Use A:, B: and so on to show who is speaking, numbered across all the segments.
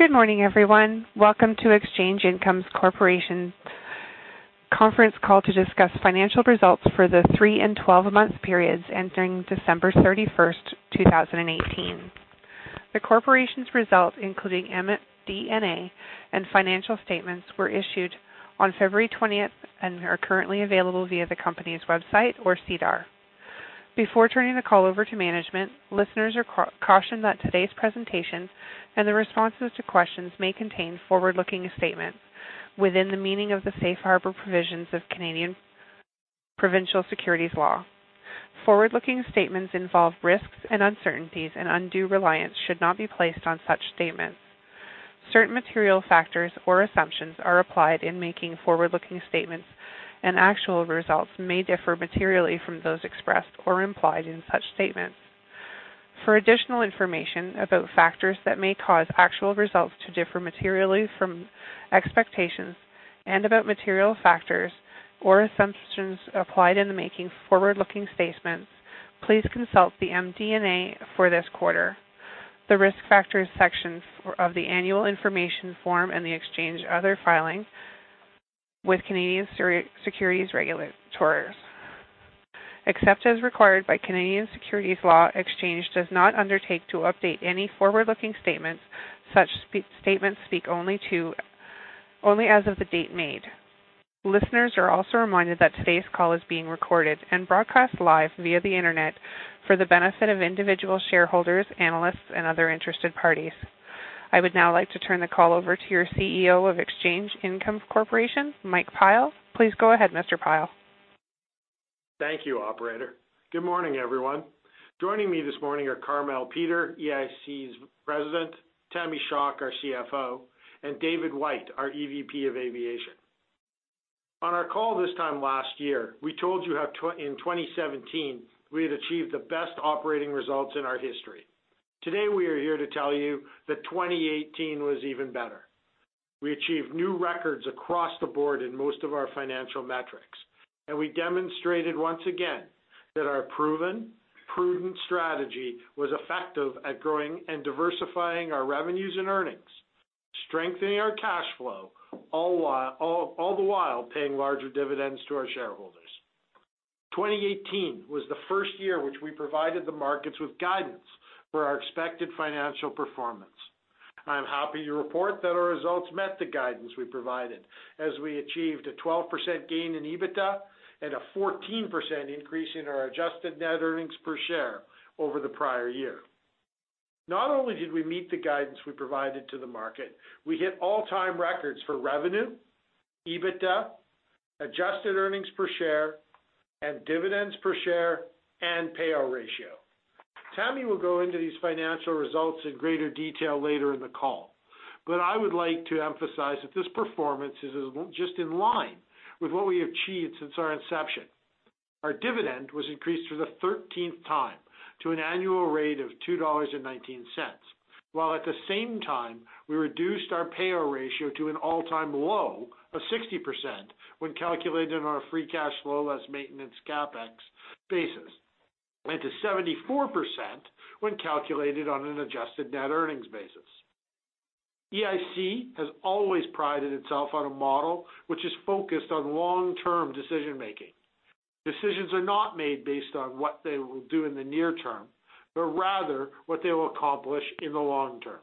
A: Good morning, everyone. Welcome to Exchange Income Corporation conference call to discuss financial results for the three and 12-month periods ending December 31st, 2018. The corporation's results, including MD&A and financial statements, were issued on February 20th and are currently available via the company's website or SEDAR. Before turning the call over to management, listeners are cautioned that today's presentation and the responses to questions may contain forward-looking statements within the meaning of the safe harbor provisions of Canadian provincial securities law. Forward-looking statements involve risks and uncertainties, and undue reliance should not be placed on such statements. Certain material factors or assumptions are applied in making forward-looking statements, and actual results may differ materially from those expressed or implied in such statements. For additional information about factors that may cause actual results to differ materially from expectations and about material factors or assumptions applied in the making forward-looking statements, please consult the MD&A for this quarter. The Risk Factors section of the annual information form and the Exchange Other filing with Canadian securities regulators. Except as required by Canadian securities law, Exchange does not undertake to update any forward-looking statements. Such statements speak only as of the date made. Listeners are also reminded that today's call is being recorded and broadcast live via the internet for the benefit of individual shareholders, analysts, and other interested parties. I would now like to turn the call over to your CEO of Exchange Income Corporation, Mike Pyle. Please go ahead, Mr. Pyle.
B: Thank you, operator. Good morning, everyone. Joining me this morning are Carmele Peter, EIC's President, Tammy Schock, our CFO, and David White, our EVP of Aviation. On our call this time last year, we told you how in 2017, we had achieved the best operating results in our history. Today, we are here to tell you that 2018 was even better. We achieved new records across the board in most of our financial metrics, and we demonstrated once again that our proven, prudent strategy was effective at growing and diversifying our revenues and earnings, strengthening our cash flow, all the while paying larger dividends to our shareholders. 2018 was the first year which we provided the markets with guidance for our expected financial performance. I am happy to report that our results met the guidance we provided as we achieved a 12% gain in EBITDA and a 14% increase in our adjusted net earnings per share over the prior year. Not only did we meet the guidance we provided to the market, we hit all-time records for revenue, EBITDA, adjusted earnings per share, and dividends per share and payout ratio. Tammy will go into these financial results in greater detail later in the call, but I would like to emphasize that this performance is just in line with what we have achieved since our inception. Our dividend was increased for the 13th time to an annual rate of 2.19 dollars, while at the same time, we reduced our payout ratio to an all-time low of 60% when calculated on a free cash flow less maintenance CapEx basis, and to 74% when calculated on an adjusted net earnings basis. EIC has always prided itself on a model which is focused on long-term decision making. Decisions are not made based on what they will do in the near term, but rather what they will accomplish in the long term.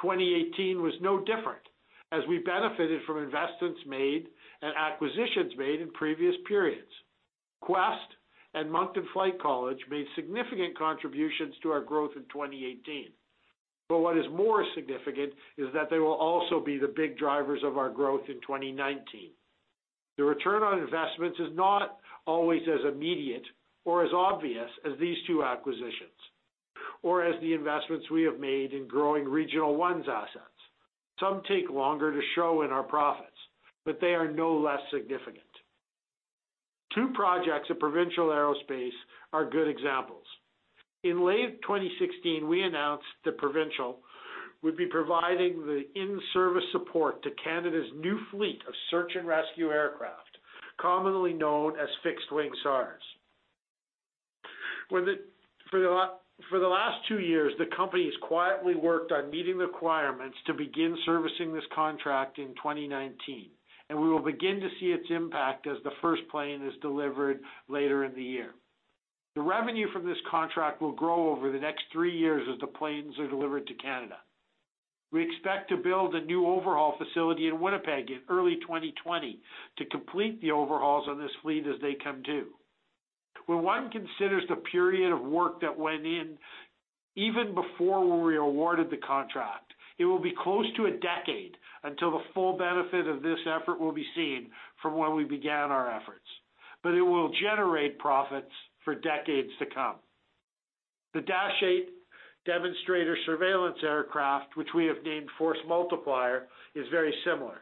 B: 2018 was no different, as we benefited from investments made and acquisitions made in previous periods. Quest and Moncton Flight College made significant contributions to our growth in 2018. But what is more significant is that they will also be the big drivers of our growth in 2019. The return on investments is not always as immediate or as obvious as these two acquisitions or as the investments we have made in growing Regional One's assets. Some take longer to show in our profits, but they are no less significant. Two projects at Provincial Aerospace are good examples. In late 2016, we announced that Provincial would be providing the in-service support to Canada's new fleet of search and rescue aircraft, commonly known as fixed-wing SARs. For the last two years, the company has quietly worked on meeting the requirements to begin servicing this contract in 2019, and we will begin to see its impact as the first plane is delivered later in the year. The revenue from this contract will grow over the next three years as the planes are delivered to Canada. We expect to build a new overhaul facility in Winnipeg in early 2020 to complete the overhauls on this fleet as they come due. When one considers the period of work that went in even before when we awarded the contract, it will be close to a decade until the full benefit of this effort will be seen from when we began our efforts. But it will generate profits for decades to come. The Dash 8 demonstrator surveillance aircraft, which we have named Force Multiplier, is very similar.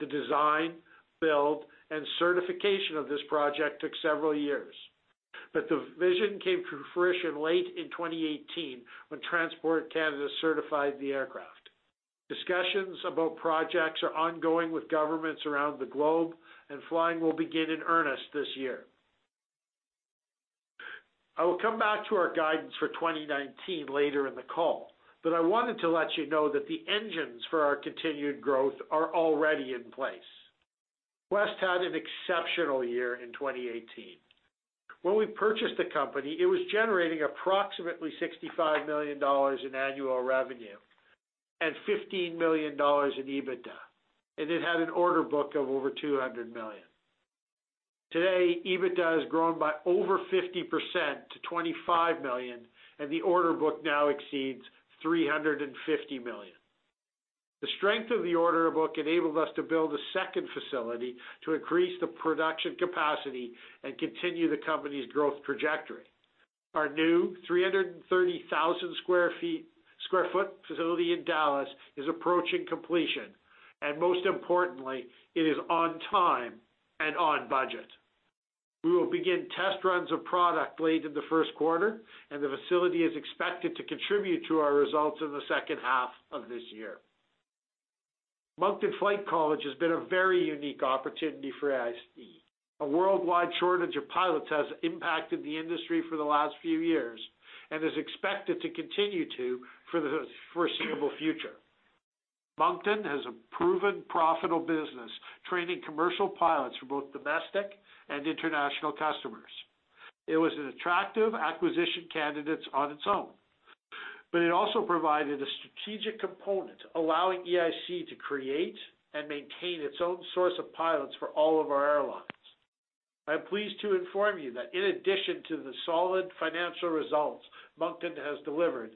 B: The design, build, and certification of this project took several years. But the vision came to fruition late in 2018 when Transport Canada certified the aircraft. Discussions about projects are ongoing with governments around the globe, and flying will begin in earnest this year. I will come back to our guidance for 2019 later in the call, but I wanted to let you know that the engines for our continued growth are already in place. Quest had an exceptional year in 2018. When we purchased the company, it was generating approximately 65 million dollars in annual revenue and 15 million dollars in EBITDA, and it had an order book of over 200 million. Today, EBITDA has grown by over 50% to 25 million, and the order book now exceeds 350 million. The strength of the order book enabled us to build a second facility to increase the production capacity and continue the company's growth trajectory. Our new 330,000 sq ft facility in Dallas is approaching completion, and most importantly, it is on time and on budget. We will begin test runs of product late in the first quarter, and the facility is expected to contribute to our results in the second half of this year. Moncton Flight College has been a very unique opportunity for EIC. A worldwide shortage of pilots has impacted the industry for the last few years and is expected to continue to for the foreseeable future. Moncton has a proven profitable business training commercial pilots for both domestic and international customers. It was an attractive acquisition candidate on its own, but it also provided a strategic component allowing EIC to create and maintain its own source of pilots for all of our airlines. I'm pleased to inform you that in addition to the solid financial results Moncton has delivered,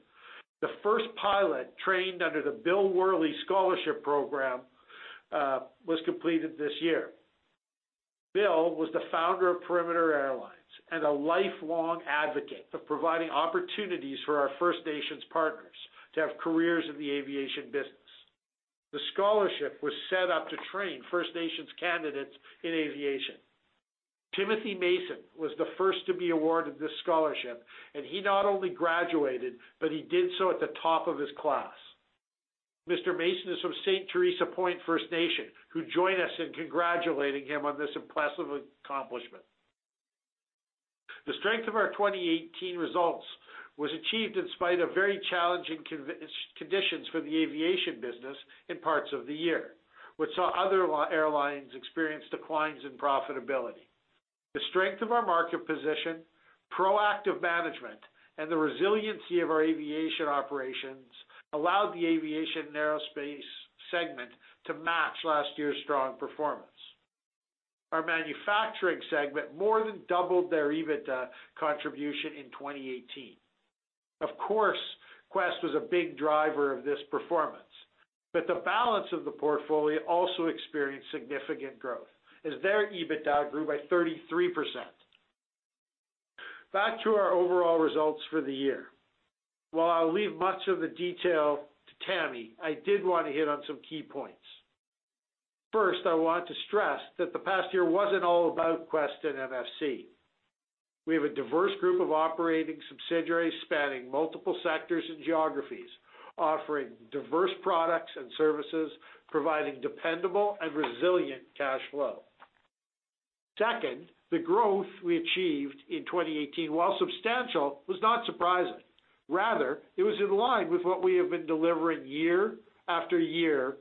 B: the first pilot trained under the Bill Worley Scholarship Program was completed this year. Bill was the founder of Perimeter Aviation and a lifelong advocate for providing opportunities for our First Nations partners to have careers in the aviation business. The scholarship was set up to train First Nations candidates in aviation. Timothy Mason was the first to be awarded this scholarship, and he not only graduated, but he did so at the top of his class. Mr. Mason is from St. Theresa Point First Nation, who join us in congratulating him on this impressive accomplishment. The strength of our 2018 results was achieved in spite of very challenging conditions for the aviation business in parts of the year, which saw other airlines experience declines in profitability. The strength of our market position, proactive management, and the resiliency of our aviation operations allowed the aviation and aerospace segment to match last year's strong performance. Our manufacturing segment more than doubled their EBITDA contribution in 2018. Of course, Quest was a big driver of this performance, but the balance of the portfolio also experienced significant growth as their EBITDA grew by 33%. Back to our overall results for the year. While I'll leave much of the detail to Tammy, I did want to hit on some key points. First, I want to stress that the past year wasn't all about Quest and MFC. We have a diverse group of operating subsidiaries spanning multiple sectors and geographies, offering diverse products and services, providing dependable and resilient cash flow. Second, the growth we achieved in 2018, while substantial, was not surprising. Rather, it was in line with what we have been delivering year after year.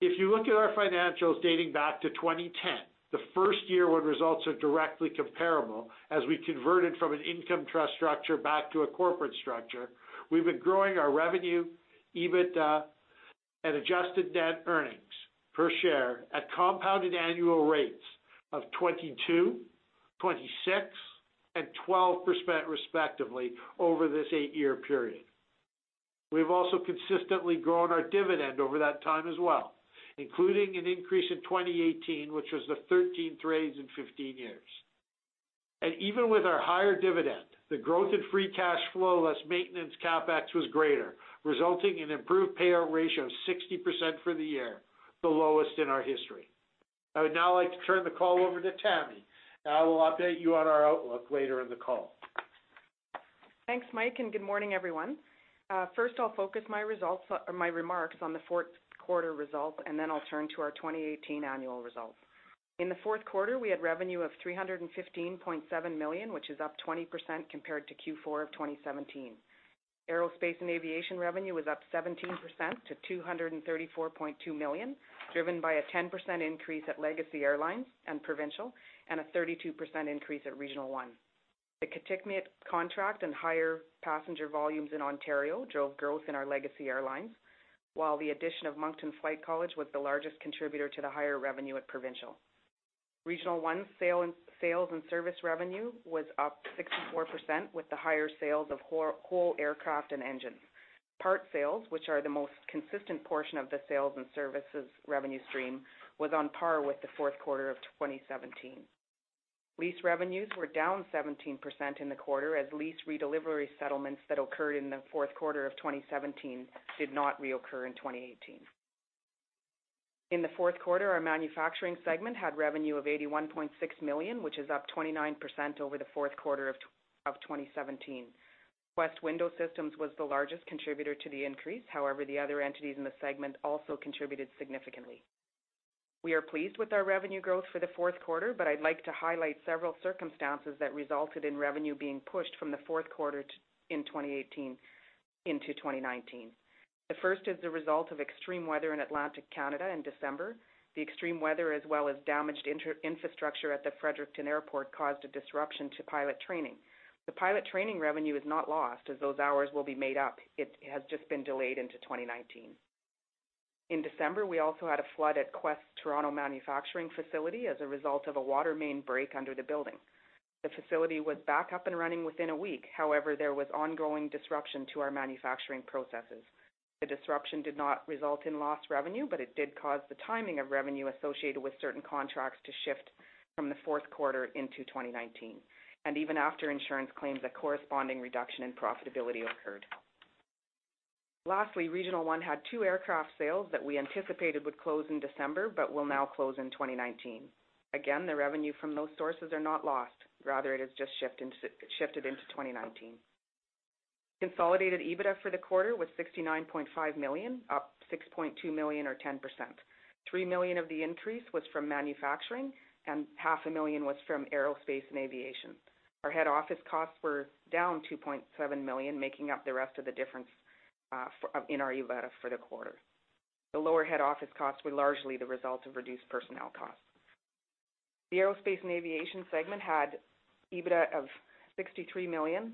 B: If you look at our financials dating back to 2010, the first year when results are directly comparable, as we converted from an income trust structure back to a corporate structure, we've been growing our revenue, EBITDA, and adjusted net earnings per share at compounded annual rates of 22%, 26%, and 12% respectively over this eight-year period. We've also consistently grown our dividend over that time as well, including an increase in 2018, which was the 13th raise in 15 years. Even with our higher dividend, the growth in free cash flow less maintenance CapEx was greater, resulting in improved payout ratio of 60% for the year, the lowest in our history. I would now like to turn the call over to Tammy, I will update you on our outlook later in the call.
C: Thanks, Mike. Good morning, everyone. First, I'll focus my remarks on the fourth quarter results. Then I'll turn to our 2018 annual results. In the fourth quarter, we had revenue of 315.7 million, which is up 20% compared to Q4 of 2017. Aerospace and aviation revenue was up 17% to 234.2 million, driven by a 10% increase at Legacy Airlines and Provincial and a 32% increase at Regional One. The Kitikmeot contract and higher passenger volumes in Ontario drove growth in our Legacy Airlines, while the addition of Moncton Flight College was the largest contributor to the higher revenue at Provincial. Regional One sales and service revenue was up 64% with the higher sales of whole aircraft and engines. Part sales, which are the most consistent portion of the sales and services revenue stream, was on par with the fourth quarter of 2017. Lease revenues were down 17% in the quarter as lease redelivery settlements that occurred in the fourth quarter of 2017 did not reoccur in 2018. In the fourth quarter, our manufacturing segment had revenue of 81.6 million, which is up 29% over the fourth quarter of 2017. Quest Window Systems was the largest contributor to the increase. However, the other entities in the segment also contributed significantly. We are pleased with our revenue growth for the fourth quarter. I'd like to highlight several circumstances that resulted in revenue being pushed from the fourth quarter in 2018 into 2019. The first is the result of extreme weather in Atlantic Canada in December. The extreme weather, as well as damaged infrastructure at the Fredericton Airport, caused a disruption to pilot training. The pilot training revenue is not lost, as those hours will be made up. It has just been delayed into 2019. In December, we also had a flood at Quest's Toronto manufacturing facility as a result of a water main break under the building. The facility was back up and running within a week. However, there was ongoing disruption to our manufacturing processes. The disruption did not result in lost revenue, but it did cause the timing of revenue associated with certain contracts to shift from the fourth quarter into 2019. Even after insurance claims, a corresponding reduction in profitability occurred. Lastly, Regional One had two aircraft sales that we anticipated would close in December but will now close in 2019. Again, the revenue from those sources are not lost, rather it has just shifted into 2019. Consolidated EBITDA for the quarter was 69.5 million, up 6.2 million or 10%. 3 million of the increase was from manufacturing, and half a million was from aerospace and aviation. Our head office costs were down 2.7 million, making up the rest of the difference in our EBITDA for the quarter. The lower head office costs were largely the result of reduced personnel costs. The aerospace and aviation segment had EBITDA of 63 million.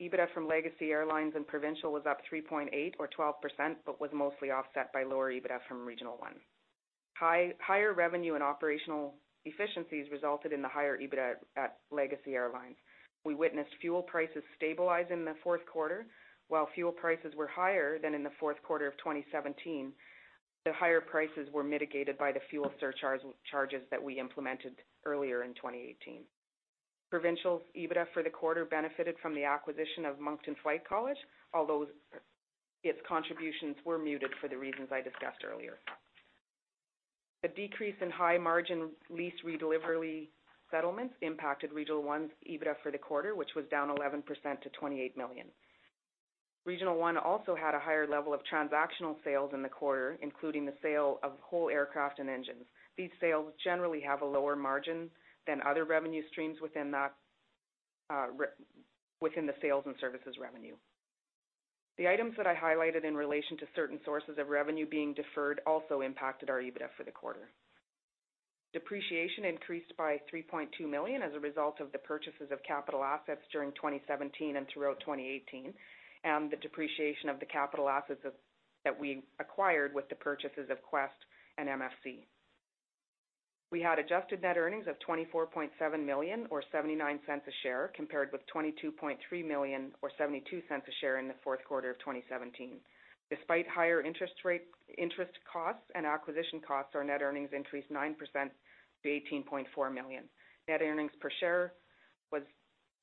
C: EBITDA from Legacy Airlines and Provincial was up 3.8 million or 12%, but was mostly offset by lower EBITDA from Regional One. Higher revenue and operational efficiencies resulted in the higher EBITDA at Legacy Airlines. We witnessed fuel prices stabilize in the fourth quarter. While fuel prices were higher than in the fourth quarter of 2017, the higher prices were mitigated by the fuel surcharges that we implemented earlier in 2018. Provincial's EBITDA for the quarter benefited from the acquisition of Moncton Flight College, although its contributions were muted for the reasons I discussed earlier. The decrease in high-margin lease redelivery settlements impacted Regional One's EBITDA for the quarter, which was down 11% to 28 million. Regional One also had a higher level of transactional sales in the quarter, including the sale of whole aircraft and engines. These sales generally have a lower margin than other revenue streams within the sales and services revenue. The items that I highlighted in relation to certain sources of revenue being deferred also impacted our EBITDA for the quarter. Depreciation increased by 3.2 million as a result of the purchases of capital assets during 2017 and throughout 2018, and the depreciation of the capital assets that we acquired with the purchases of Quest and MFC. We had adjusted net earnings of 24.7 million, or 0.79 a share, compared with 22.3 million or 0.72 a share in the fourth quarter of 2017. Despite higher interest costs and acquisition costs, our net earnings increased 9% to 18.4 million. Net earnings per share was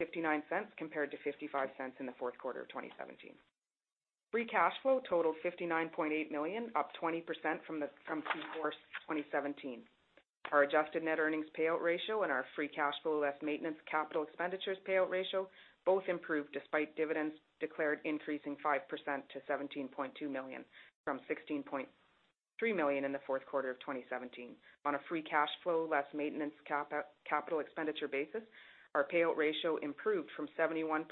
C: 0.59 compared to 0.55 in the fourth quarter of 2017. Free cash flow totaled 59.8 million, up 20% from Q4 2017. Our adjusted net earnings payout ratio and our free cash flow less maintenance capital expenditures payout ratio both improved despite dividends declared increasing 5% to 17.2 million from 16.3 million in the fourth quarter of 2017. On a free cash flow less maintenance capital expenditure basis, our payout ratio improved from 71%-60%,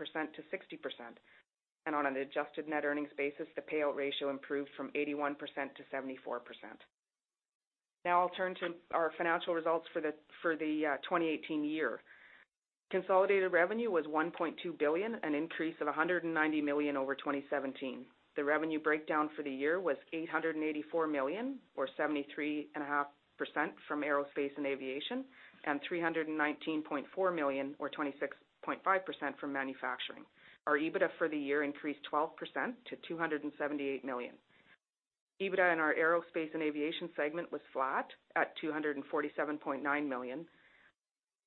C: and on an adjusted net earnings basis, the payout ratio improved from 81%-74%. I'll turn to our financial results for the 2018 year. Consolidated revenue was 1.2 billion, an increase of 190 million over 2017. The revenue breakdown for the year was 884 million, or 73.5% from aerospace and aviation, and 319.4 million or 26.5% from manufacturing. Our EBITDA for the year increased 12% to 278 million. EBITDA in our aerospace and aviation segment was flat at 247.9 million.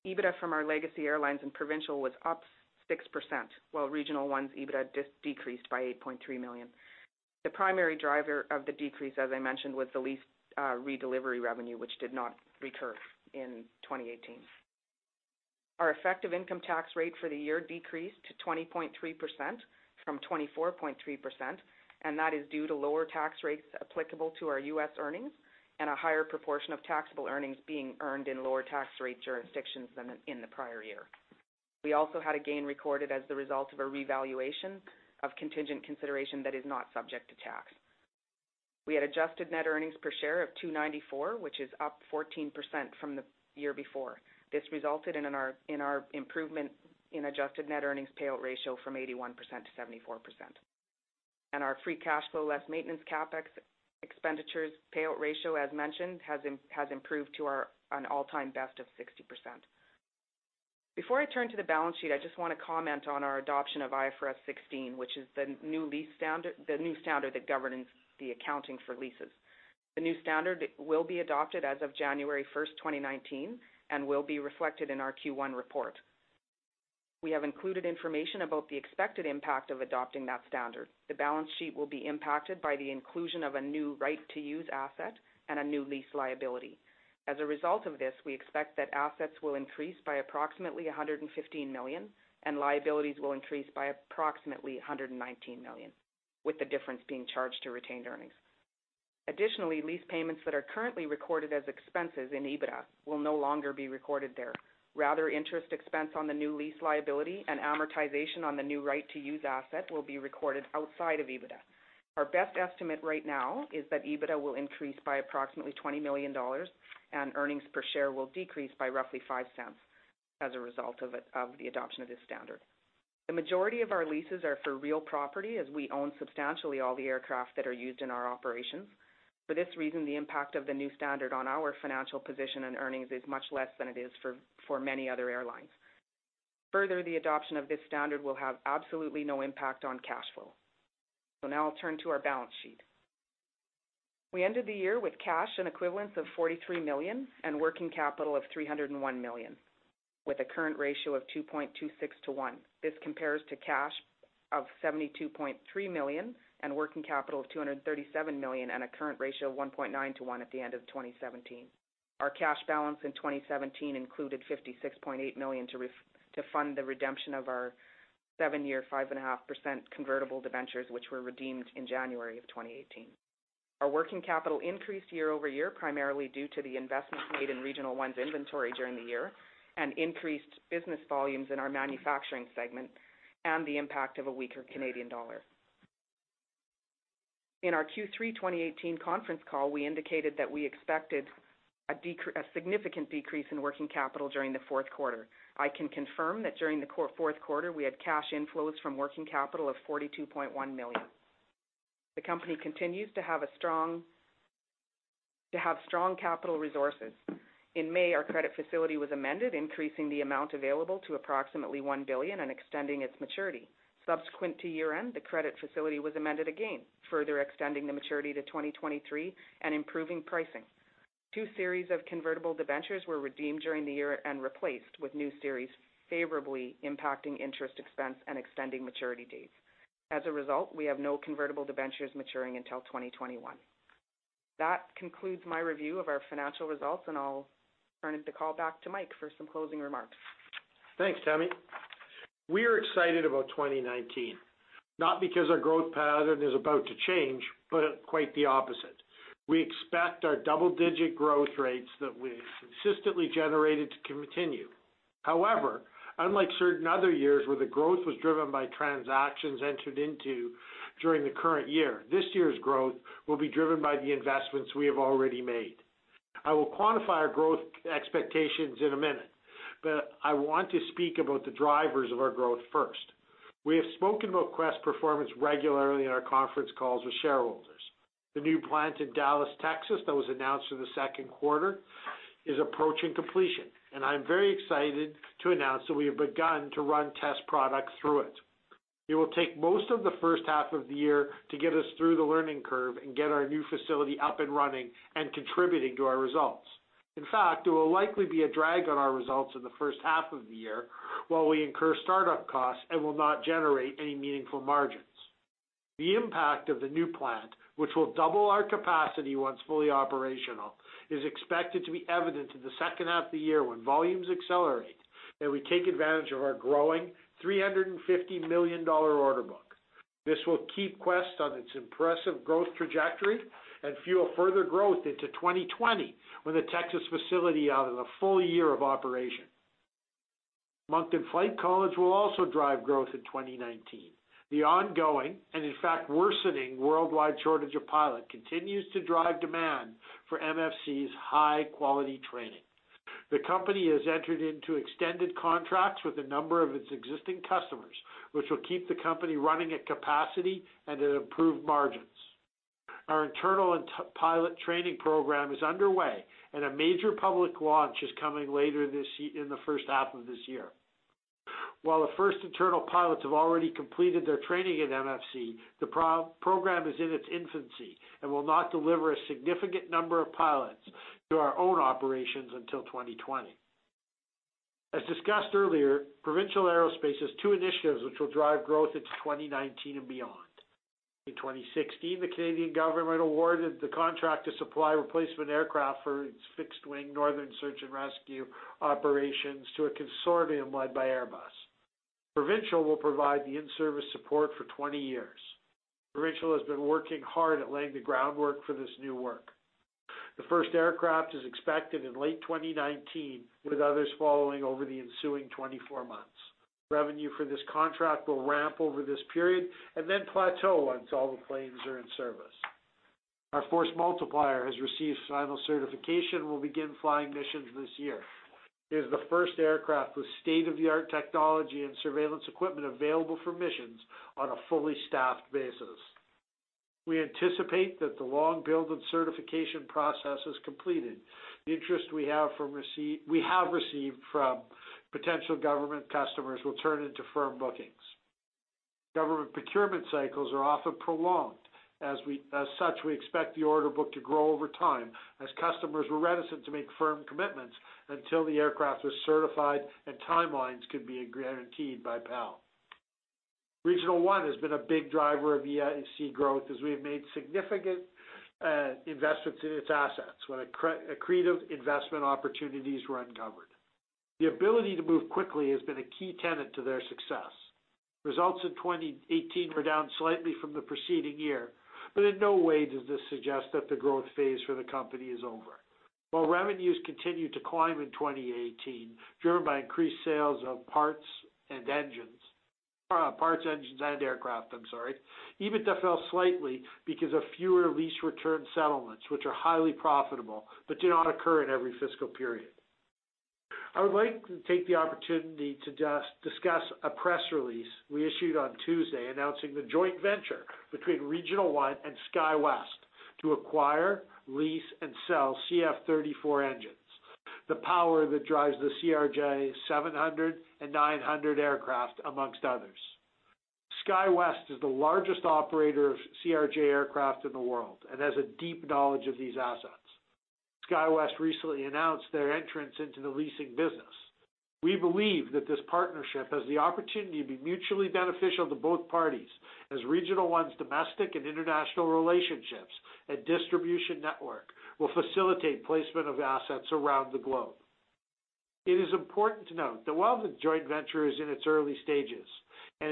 C: EBITDA from our Legacy Airlines and Provincial was up 6%, while Regional One's EBITDA decreased by 8.3 million. The primary driver of the decrease, as I mentioned, was the lease redelivery revenue, which did not recur in 2018. Our effective income tax rate for the year decreased to 20.3%-24.3%, and that is due to lower tax rates applicable to our U.S. earnings and a higher proportion of taxable earnings being earned in lower tax rate jurisdictions than in the prior year. We also had a gain recorded as the result of a revaluation of contingent consideration that is not subject to tax. We had adjusted net earnings per share of 2.94, which is up 14% from the year before. This resulted in our improvement in adjusted net earnings payout ratio from 81%-74%. Our free cash flow less maintenance CapEx expenditures payout ratio, as mentioned, has improved to an all-time best of 60%. Before I turn to the balance sheet, I just want to comment on our adoption of IFRS 16, which is the new standard that governs the accounting for leases. The new standard will be adopted as of January 1st, 2019, and will be reflected in our Q1 report. We have included information about the expected impact of adopting that standard. The balance sheet will be impacted by the inclusion of a new right-to-use asset and a new lease liability. As a result of this, we expect that assets will increase by approximately 115 million, and liabilities will increase by approximately 119 million. The difference being charged to retained earnings. Additionally, lease payments that are currently recorded as expenses in EBITDA will no longer be recorded there. Rather, interest expense on the new lease liability and amortization on the new right-to-use asset will be recorded outside of EBITDA. Our best estimate right now is that EBITDA will increase by approximately 20 million dollars, and earnings per share will decrease by roughly 0.05 as a result of the adoption of this standard. The majority of our leases are for real property, as we own substantially all the aircraft that are used in our operations. For this reason, the impact of the new standard on our financial position and earnings is much less than it is for many other airlines. Further, the adoption of this standard will have absolutely no impact on cash flow. Now I'll turn to our balance sheet. We ended the year with cash and equivalents of 43 million and working capital of 301 million, with a current ratio of 2.26 to one. This compares to cash of 72.3 million and working capital of 237 million, and a current ratio of 1.9 to one at the end of 2017. Our cash balance in 2017 included 56.8 million to fund the redemption of our 7-year, 5.5% convertible debentures, which were redeemed in January of 2018. Our working capital increased year-over-year, primarily due to the investments made in Regional One's inventory during the year and increased business volumes in our manufacturing segment and the impact of a weaker Canadian dollar. In our Q3 2018 conference call, we indicated that we expected a significant decrease in working capital during the fourth quarter. I can confirm that during the fourth quarter, we had cash inflows from working capital of 42.1 million. The company continues to have strong capital resources. In May, our credit facility was amended, increasing the amount available to approximately 1 billion and extending its maturity. Subsequent to year-end, the credit facility was amended again, further extending the maturity to 2023 and improving pricing. Two series of convertible debentures were redeemed during the year and replaced with new series favorably impacting interest expense and extending maturity dates. As a result, we have no convertible debentures maturing until 2021. That concludes my review of our financial results, and I'll turn the call back to Mike for some closing remarks.
B: Thanks, Tammy. We're excited about 2019, not because our growth pattern is about to change, but quite the opposite. We expect our double-digit growth rates that we've consistently generated to continue. However, unlike certain other years where the growth was driven by transactions entered into during the current year, this year's growth will be driven by the investments we have already made. I will quantify our growth expectations in a minute, but I want to speak about the drivers of our growth first. We have spoken about Quest performance regularly in our conference calls with shareholders. The new plant in Dallas, Texas, that was announced in the second quarter, is approaching completion, and I'm very excited to announce that we have begun to run test products through it. It will take most of the first half of the year to get us through the learning curve and get our new facility up and running and contributing to our results. In fact, it will likely be a drag on our results in the first half of the year while we incur startup costs and will not generate any meaningful margins. The impact of the new plant, which will double our capacity once fully operational, is expected to be evident in the second half of the year when volumes accelerate and we take advantage of our growing 350 million dollar order book. This will keep Quest on its impressive growth trajectory and fuel further growth into 2020 when the Texas facility will have a full year of operation. Moncton Flight College will also drive growth in 2019. The ongoing, in fact, worsening worldwide shortage of pilot continues to drive demand for MFC's high-quality training. The company has entered into extended contracts with a number of its existing customers, which will keep the company running at capacity and at improved margins. Our internal pilot training program is underway, a major public launch is coming later in the first half of this year. While the first internal pilots have already completed their training at MFC, the program is in its infancy and will not deliver a significant number of pilots to our own operations until 2020. As discussed earlier, Provincial Aerospace has two initiatives which will drive growth into 2019 and beyond. In 2016, the Canadian government awarded the contract to supply replacement aircraft for its fixed-wing Northern search and rescue operations to a consortium led by Airbus. Provincial will provide the in-service support for 20 years. Provincial has been working hard at laying the groundwork for this new work. The first aircraft is expected in late 2019, with others following over the ensuing 24 months. Revenue for this contract will ramp over this period and then plateau once all the planes are in service. Our Force Multiplier has received final certification and will begin flying missions this year. It is the first aircraft with state-of-the-art technology and surveillance equipment available for missions on a fully staffed basis. We anticipate that the long build and certification process is completed. The interest we have received from potential government customers will turn into firm bookings. Government procurement cycles are often prolonged. As such, we expect the order book to grow over time as customers were reticent to make firm commitments until the aircraft was certified and timelines could be guaranteed by PAL. Regional One has been a big driver of EIC growth as we have made significant investments in its assets when accretive investment opportunities were uncovered. The ability to move quickly has been a key tenet to their success. Results in 2018 were down slightly from the preceding year, but in no way does this suggest that the growth phase for the company is over. While revenues continued to climb in 2018, driven by increased sales of parts, engines, and aircraft, I'm sorry, EBITDA fell slightly because of fewer lease return settlements, which are highly profitable but do not occur in every fiscal period. I would like to take the opportunity to discuss a press release we issued on Tuesday announcing the joint venture between Regional One and SkyWest to acquire, lease, and sell CF34 engines, the power that drives the CRJ700 and 900 aircraft, amongst others. SkyWest is the largest operator of CRJ aircraft in the world and has a deep knowledge of these assets. SkyWest recently announced their entrance into the leasing business. We believe that this partnership has the opportunity to be mutually beneficial to both parties, as Regional One's domestic and international relationships and distribution network will facilitate placement of assets around the globe. It is important to note that while the joint venture is in its early stages and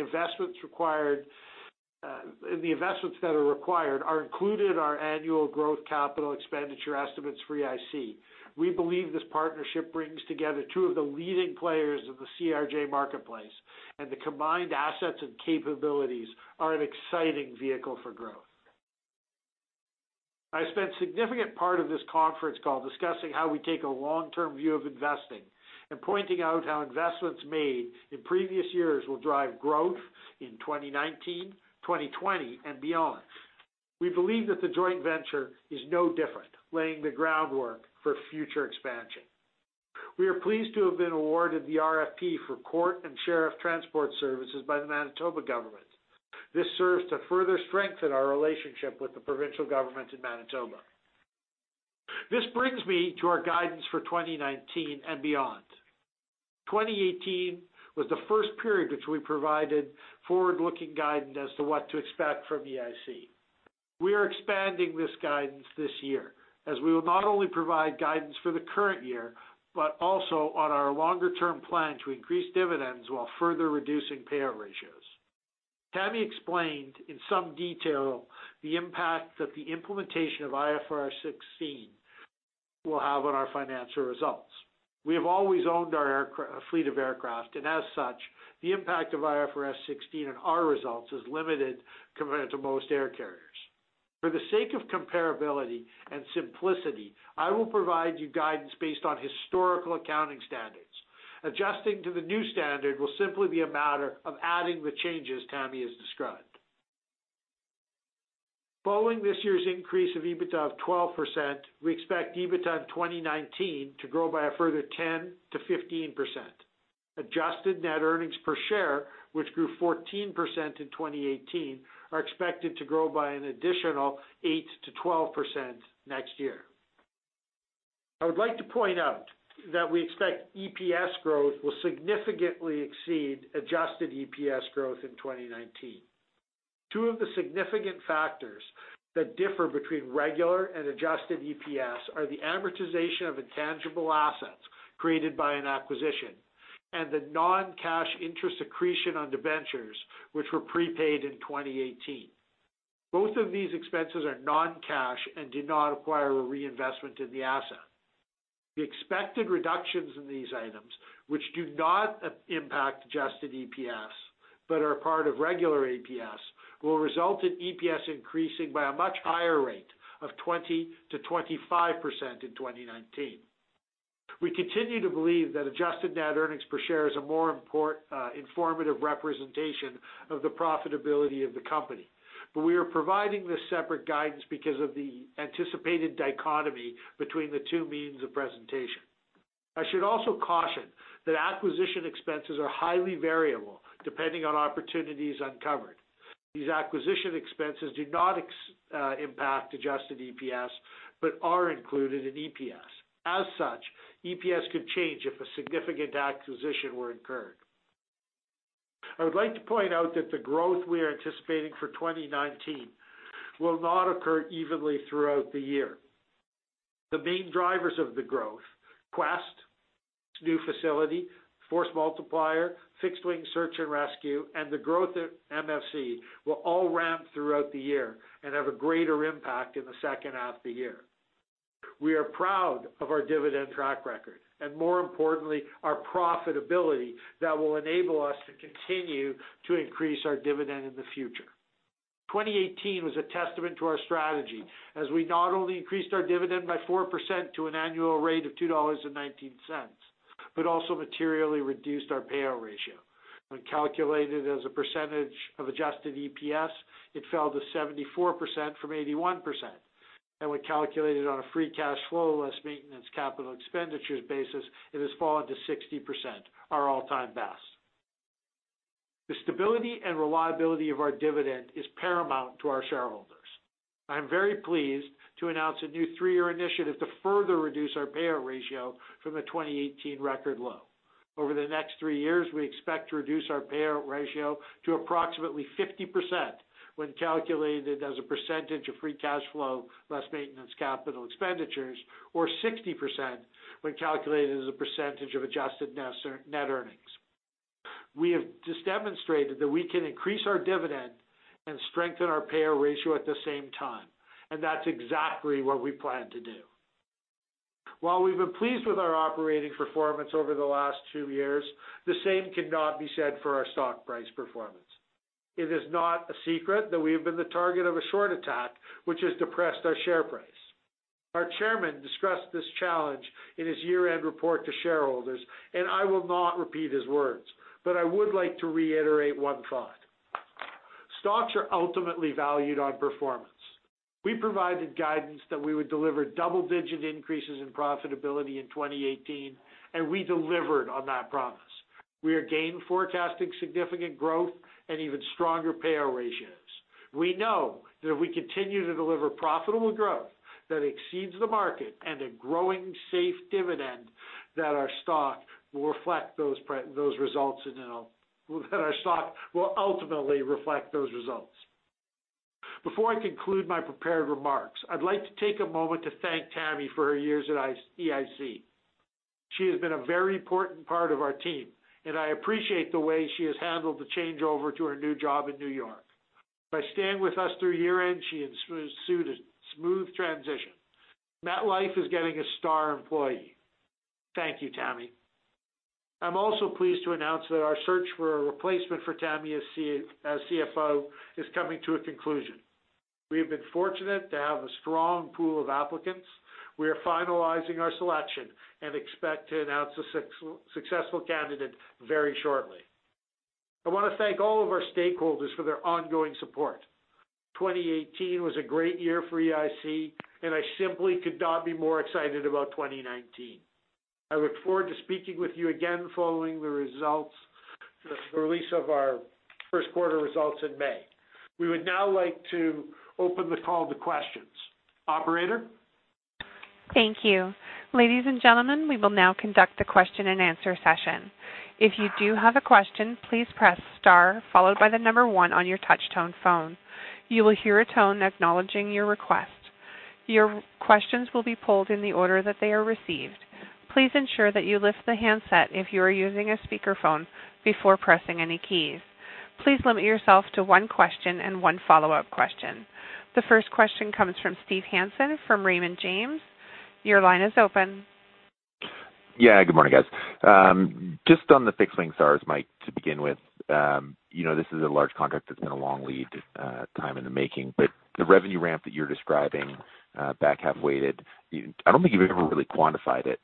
B: the investments that are required are included in our annual growth capital expenditure estimates for EIC, we believe this partnership brings together two of the leading players of the CRJ marketplace, and the combined assets and capabilities are an exciting vehicle for growth. I spent significant part of this conference call discussing how we take a long-term view of investing and pointing out how investments made in previous years will drive growth in 2019, 2020, and beyond. We believe that the joint venture is no different, laying the groundwork for future expansion. We are pleased to have been awarded the RFP for court and sheriff transport services by the Manitoba government. This serves to further strengthen our relationship with the provincial government in Manitoba. This brings me to our guidance for 2019 and beyond. 2018 was the first period which we provided forward-looking guidance as to what to expect from EIC. We are expanding this guidance this year, as we will not only provide guidance for the current year, but also on our longer-term plan to increase dividends while further reducing payout ratios. Tammy explained in some detail the impact that the implementation of IFRS 16 will have on our financial results. We have always owned our fleet of aircraft, and as such, the impact of IFRS 16 on our results is limited compared to most air carriers. For the sake of comparability and simplicity, I will provide you guidance based on historical accounting standards. Adjusting to the new standard will simply be a matter of adding the changes Tammy has described. Following this year's increase of EBITDA of 12%, we expect EBITDA in 2019 to grow by a further 10%-15%. Adjusted net earnings per share, which grew 14% in 2018, are expected to grow by an additional 8%-12% next year. I would like to point out that we expect EPS growth will significantly exceed adjusted EPS growth in 2019. Two of the significant factors that differ between regular and adjusted EPS are the amortization of intangible assets created by an acquisition and the non-cash interest accretion on debentures which were prepaid in 2018. Both of these expenses are non-cash and did not require a reinvestment in the asset. The expected reductions in these items, which do not impact adjusted EPS, but are a part of regular EPS, will result in EPS increasing by a much higher rate of 20%-25% in 2019. We continue to believe that adjusted net earnings per share is a more informative representation of the profitability of the company. We are providing this separate guidance because of the anticipated dichotomy between the two means of presentation. I should also caution that acquisition expenses are highly variable depending on opportunities uncovered. These acquisition expenses do not impact adjusted EPS but are included in EPS. As such, EPS could change if a significant acquisition were incurred. I would like to point out that the growth we are anticipating for 2019 will not occur evenly throughout the year. The main drivers of the growth, Quest, new facility, Force Multiplier, Fixed Wing Search and Rescue, and the growth at MFC, will all ramp throughout the year and have a greater impact in the second half of the year. We are proud of our dividend track record and, more importantly, our profitability that will enable us to continue to increase our dividend in the future. 2018 was a testament to our strategy as we not only increased our dividend by 4% to an annual rate of 2.19 dollars, but also materially reduced our payout ratio. When calculated as a percentage of adjusted EPS, it fell to 74% from 81%. When calculated on a free cash flow less maintenance capital expenditures basis, it has fallen to 60%, our all-time best. The stability and reliability of our dividend is paramount to our shareholders. I am very pleased to announce a new 3-year initiative to further reduce our payout ratio from the 2018 record low. Over the next 3 years, we expect to reduce our payout ratio to approximately 50% when calculated as a percentage of free cash flow, less maintenance capital expenditures, or 60% when calculated as a percentage of adjusted net earnings. We have just demonstrated that we can increase our dividend and strengthen our payout ratio at the same time, and that's exactly what we plan to do. While we've been pleased with our operating performance over the last 2 years, the same cannot be said for our stock price performance. It is not a secret that we have been the target of a short attack, which has depressed our share price. Our chairman discussed this challenge in his year-end report to shareholders. I will not repeat his words, but I would like to reiterate one thought. Stocks are ultimately valued on performance. We provided guidance that we would deliver double-digit increases in profitability in 2018. We delivered on that promise. We are again forecasting significant growth and even stronger payout ratios. We know that if we continue to deliver profitable growth that exceeds the market and a growing safe dividend, that our stock will ultimately reflect those results. Before I conclude my prepared remarks, I'd like to take a moment to thank Tammy for her years at EIC. She has been a very important part of our team. I appreciate the way she has handled the changeover to her new job in New York. By staying with us through year-end, she ensured a smooth transition. MetLife is getting a star employee. Thank you, Tammy. I'm also pleased to announce that our search for a replacement for Tammy as CFO is coming to a conclusion. We have been fortunate to have a strong pool of applicants. We are finalizing our selection and expect to announce a successful candidate very shortly. I want to thank all of our stakeholders for their ongoing support. 2018 was a great year for EIC. I simply could not be more excited about 2019. I look forward to speaking with you again following the release of our first quarter results in May. We would now like to open the call to questions. Operator?
A: Thank you. Ladies and gentlemen, we will now conduct the question and answer session. If you do have a question, please press star followed by 1 on your touch-tone phone. You will hear a tone acknowledging your request. Your questions will be polled in the order that they are received. Please ensure that you lift the handset if you are using a speakerphone before pressing any keys. Please limit yourself to 1 question and 1 follow-up question. The first question comes from Steve Hansen from Raymond James. Your line is open.
D: Yeah. Good morning, guys. Just on the fixed-wing SAR, Mike, to begin with. This is a large contract that's been a long lead time in the making, but the revenue ramp that you're describing, back half weighted, I don't think you've ever really quantified it.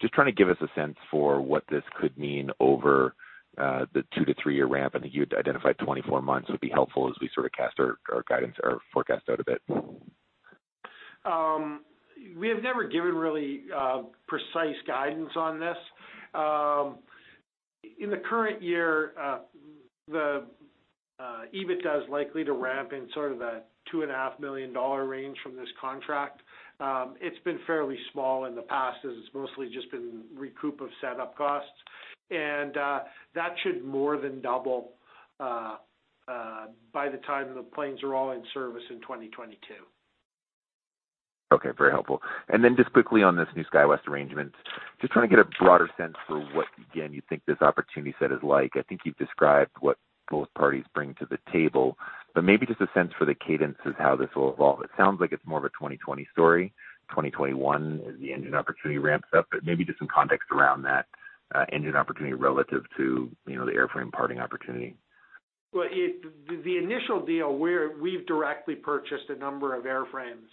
D: Just trying to give us a sense for what this could mean over the 2 to 3-year ramp. I think you had identified 24 months. It would be helpful as we sort of cast our forecast out a bit.
B: We have never given really precise guidance on this. In the current year, the EBITDA is likely to ramp in sort of the 2.5 million dollar range from this contract. It's been fairly small in the past as it's mostly just been recoup of setup costs, and that should more than double by the time the planes are all in service in 2022.
D: Okay. Very helpful. Just quickly on this new SkyWest arrangement, just trying to get a broader sense for what, again, you think this opportunity set is like. I think you've described what both parties bring to the table, but maybe just a sense for the cadence of how this will evolve. It sounds like it's more of a 2020 story, 2021 as the engine opportunity ramps up. Maybe just some context around that engine opportunity relative to the airframe parting opportunity.
B: The initial deal, we've directly purchased a number of airframes.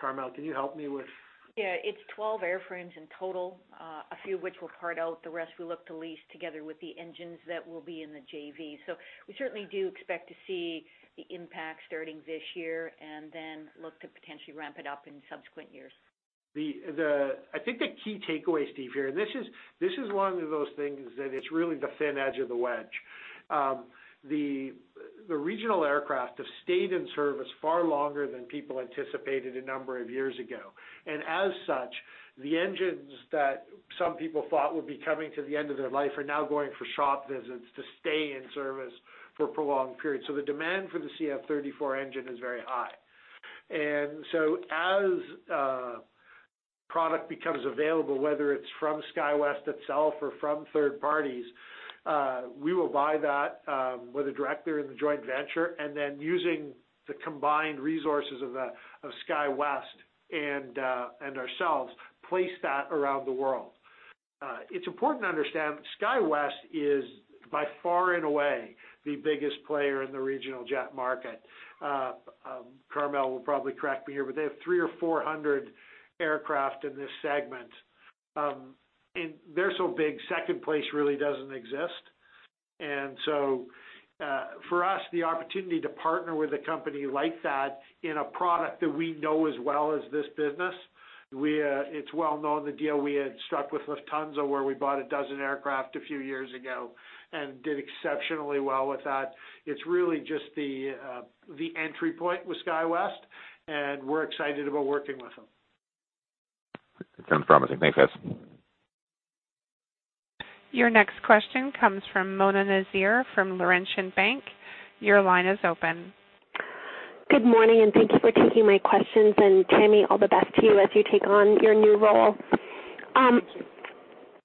B: Carmele, can you help me with?
E: It's 12 airframes in total, a few of which we'll part out. The rest we look to lease together with the engines that will be in the JV. We certainly do expect to see the impact starting this year and then look to potentially ramp it up in subsequent years.
B: I think the key takeaway, Steve, here, this is one of those things that it's really the thin edge of the wedge. The regional aircraft have stayed in service far longer than people anticipated a number of years ago. As such, the engines that some people thought would be coming to the end of their life are now going for shop visits to stay in service for a prolonged period. The demand for the CF34 engine is very high. As product becomes available, whether it's from SkyWest itself or from third parties, we will buy that with a director in the joint venture, and then using the combined resources of SkyWest and ourselves, place that around the world. It's important to understand that SkyWest is by far and away the biggest player in the regional jet market. Carmele will probably correct me here, they have 300 or 400 aircraft in this segment. They're so big, second place really doesn't exist. For us, the opportunity to partner with a company like that in a product that we know as well as this business, it's well known the deal we had struck with Lufthansa where we bought a dozen aircraft a few years ago and did exceptionally well with that. It's really just the entry point with SkyWest, and we're excited about working with them.
D: Sounds promising. Thanks, guys.
A: Your next question comes from Mona Nazir from Laurentian Bank. Your line is open.
F: Good morning. Thank you for taking my questions. Tammy, all the best to you as you take on your new role.
B: Thank you.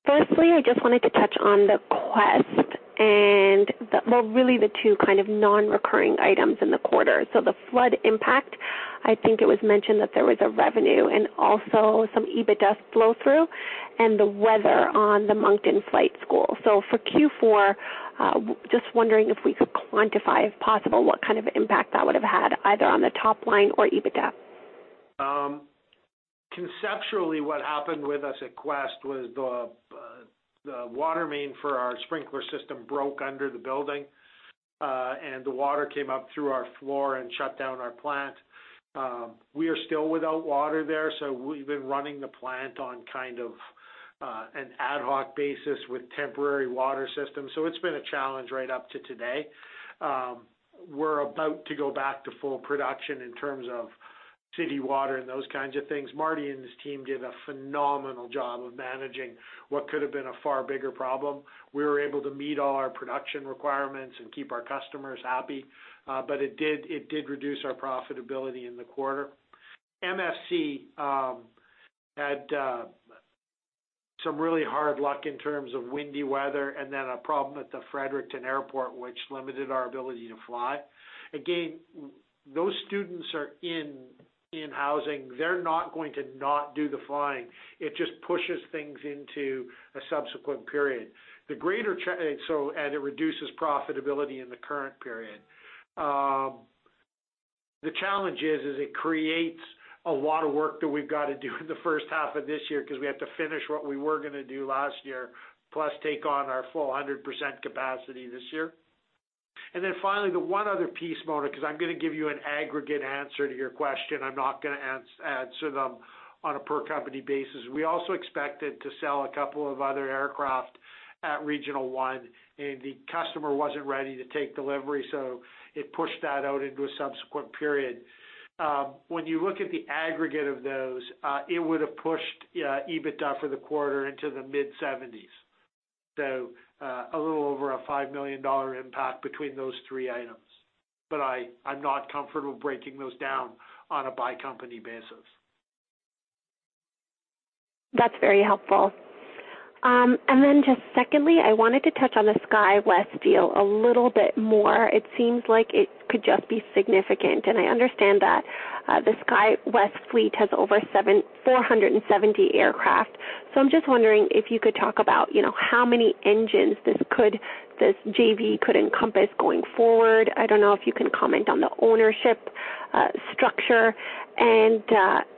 F: I just wanted to touch on the Quest and, well, really the two non-recurring items in the quarter. The flood impact, I think it was mentioned that there was a revenue and also some EBITDA flow-through, and the weather on the Moncton Flight College. For Q4, just wondering if we could quantify, if possible, what kind of impact that would have had either on the top line or EBITDA.
B: Conceptually, what happened with us at Quest was the water main for our sprinkler system broke under the building, and the water came up through our floor and shut down our plant. We are still without water there, we've been running the plant on an ad hoc basis with temporary water systems. It's been a challenge right up to today. We're about to go back to full production in terms of city water and those kinds of things. Marty and his team did a phenomenal job of managing what could have been a far bigger problem. We were able to meet all our production requirements and keep our customers happy. It did reduce our profitability in the quarter. MFC had some really hard luck in terms of windy weather and then a problem at the Fredericton airport, which limited our ability to fly. Again, those students are in housing. They're not going to not do the flying. It just pushes things into a subsequent period. It reduces profitability in the current period. The challenge is it creates a lot of work that we've got to do in the first half of this year because we have to finish what we were going to do last year, plus take on our full 100% capacity this year. Then finally, the one other piece, Mona, because I'm going to give you an aggregate answer to your question. I'm not going to answer them on a per company basis. We also expected to sell a couple of other aircraft at Regional One, and the customer wasn't ready to take delivery, it pushed that out into a subsequent period. When you look at the aggregate of those, it would have pushed EBITDA for the quarter into the mid-70s. A little over a 5 million dollar impact between those three items. I'm not comfortable breaking those down on a by-company basis.
F: That's very helpful. Secondly, I wanted to touch on the SkyWest deal a little bit more. It seems like it could just be significant, and I understand that the SkyWest fleet has over 470 aircraft. I'm just wondering if you could talk about, how many engines this JV could encompass going forward. I don't know if you can comment on the ownership structure.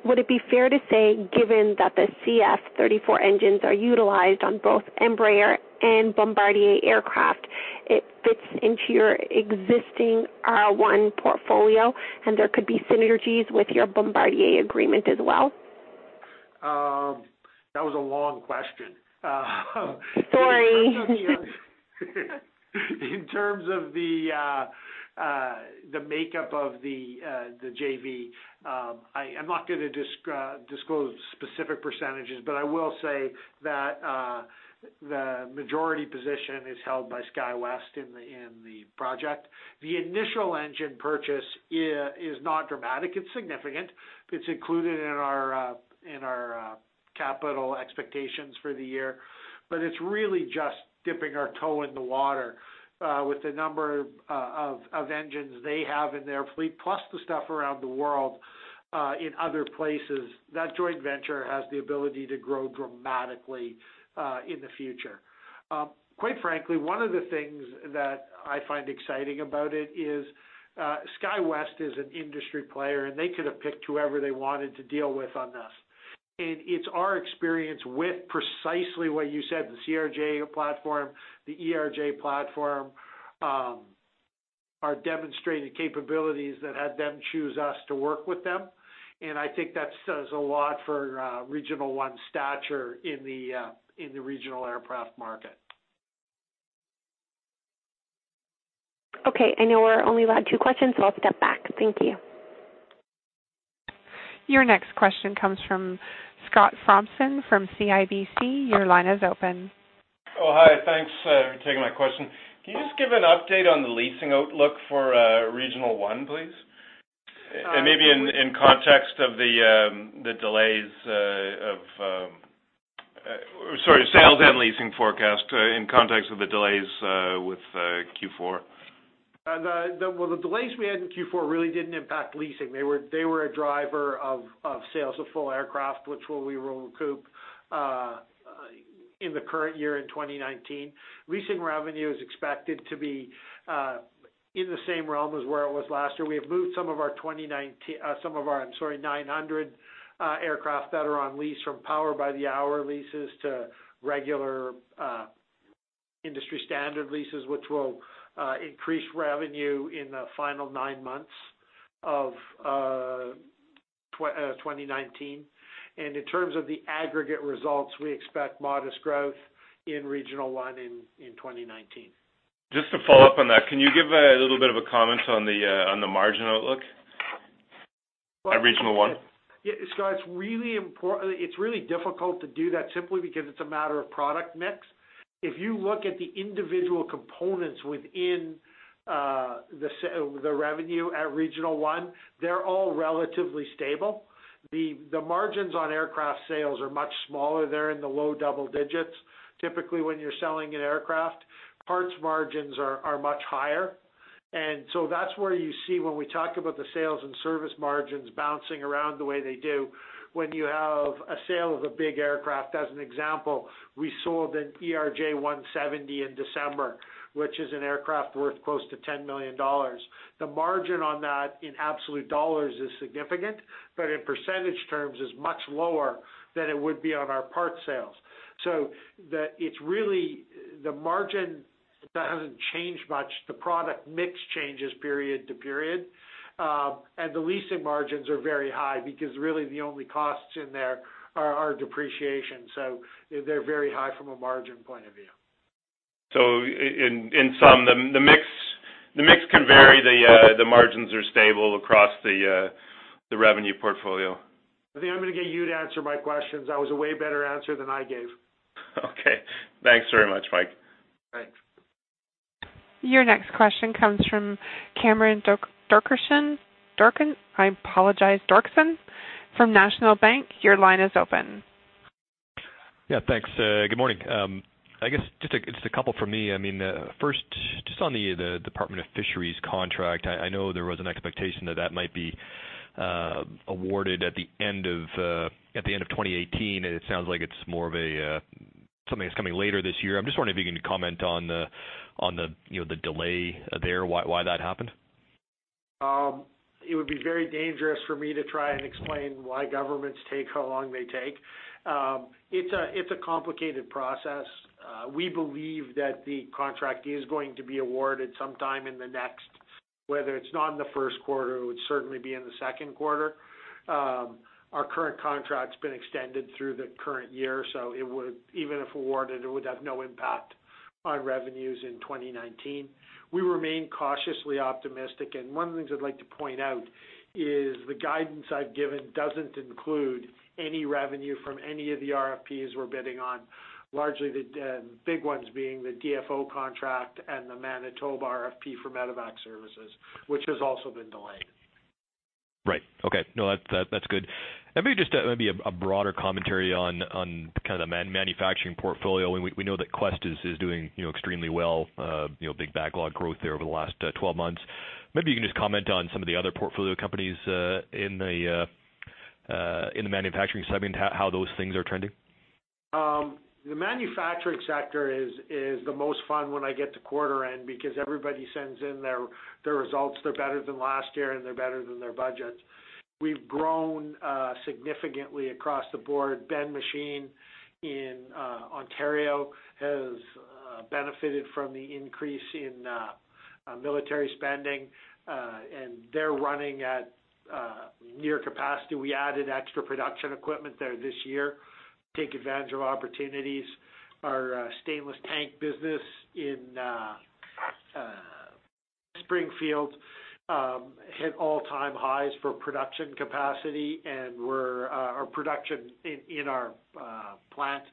F: Would it be fair to say, given that the CF34 engines are utilized on both Embraer and Bombardier aircraft, it fits into your existing R1 portfolio and there could be synergies with your Bombardier agreement as well?
B: That was a long question.
F: Sorry.
B: In terms of the makeup of the JV, I'm not going to disclose specific percentages, but I will say that the majority position is held by SkyWest in the project. The initial engine purchase is not dramatic. It's significant. It's included in our capital expectations for the year. It's really just dipping our toe in the water with the number of engines they have in their fleet, plus the stuff around the world in other places. That joint venture has the ability to grow dramatically in the future. Quite frankly, one of the things that I find exciting about it is SkyWest is an industry player, and they could have picked whoever they wanted to deal with on this. It's our experience with precisely what you said, the CRJ platform, the ERJ platform, our demonstrated capabilities that had them choose us to work with them. I think that says a lot for Regional One's stature in the regional aircraft market.
F: Okay. I know we're only allowed two questions. I'll step back. Thank you.
A: Your next question comes from Scott Thompson from CIBC. Your line is open.
G: Hi. Thanks for taking my question. Can you just give an update on the leasing outlook for Regional One, please? Maybe in context of the delays, sales and leasing forecast in context of the delays with Q4.
B: Well, the delays we had in Q4 really didn't impact leasing. They were a driver of sales of full aircraft, which we will recoup in the current year in 2019. Leasing revenue is expected to be in the same realm as where it was last year. We have moved some of our 900 aircraft that are on lease from power by the hour leases to regular industry standard leases, which will increase revenue in the final nine months of 2019. In terms of the aggregate results, we expect modest growth in Regional One in 2019.
G: Just to follow up on that, can you give a little bit of a comment on the margin outlook? At Regional One?
B: Yeah, Scott, it's really difficult to do that simply because it's a matter of product mix. If you look at the individual components within the revenue at Regional One, they're all relatively stable. The margins on aircraft sales are much smaller. They're in the low double digits. Typically, when you're selling an aircraft, parts margins are much higher. That's where you see when we talk about the sales and service margins bouncing around the way they do when you have a sale of a big aircraft. As an example, we sold an ERJ170 in December, which is an aircraft worth close to 10 million dollars. The margin on that in absolute dollars is significant, but in percentage terms is much lower than it would be on our parts sales. The margin that hasn't changed much, the product mix changes period to period. The leasing margins are very high because really the only costs in there are depreciation. They're very high from a margin point of view.
G: In sum, the mix can vary, the margins are stable across the revenue portfolio.
B: I think I'm going to get you to answer my questions. That was a way better answer than I gave.
G: Okay. Thanks very much, Mike.
B: Thanks.
A: Your next question comes from Cameron Doerksen. I apologize, Doerksen from National Bank. Your line is open.
H: Yeah, thanks. Good morning. I guess just a couple from me. First, just on the Department of Fisheries contract, I know there was an expectation that that might be awarded at the end of 2018, and it sounds like it's more of something that's coming later this year. I'm just wondering if you can comment on the delay there, why that happened.
B: It would be very dangerous for me to try and explain why governments take how long they take. It's a complicated process. We believe that the contract is going to be awarded sometime in the next, whether it's not in the first quarter, it would certainly be in the second quarter. Our current contract's been extended through the current year, so even if awarded, it would have no impact on revenues in 2019. We remain cautiously optimistic, and one of the things I'd like to point out is the guidance I've given doesn't include any revenue from any of the RFPs we're bidding on. Largely the big ones being the DFO contract and the Manitoba RFP for medevac services, which has also been delayed.
H: Right. Okay. No, that's good. Maybe just a broader commentary on the manufacturing portfolio. We know that Quest is doing extremely well, big backlog growth there over the last 12 months. Maybe you can just comment on some of the other portfolio companies in the manufacturing segment, how those things are trending.
B: The manufacturing sector is the most fun when I get to quarter end because everybody sends in their results, they're better than last year, and they're better than their budgets. We've grown significantly across the board. Ben Machine in Ontario has benefited from the increase in military spending, and they're running at near capacity. We added extra production equipment there this year, take advantage of opportunities. Our stainless tank business in Springfield hit all-time highs for production capacity, and our production in our plant,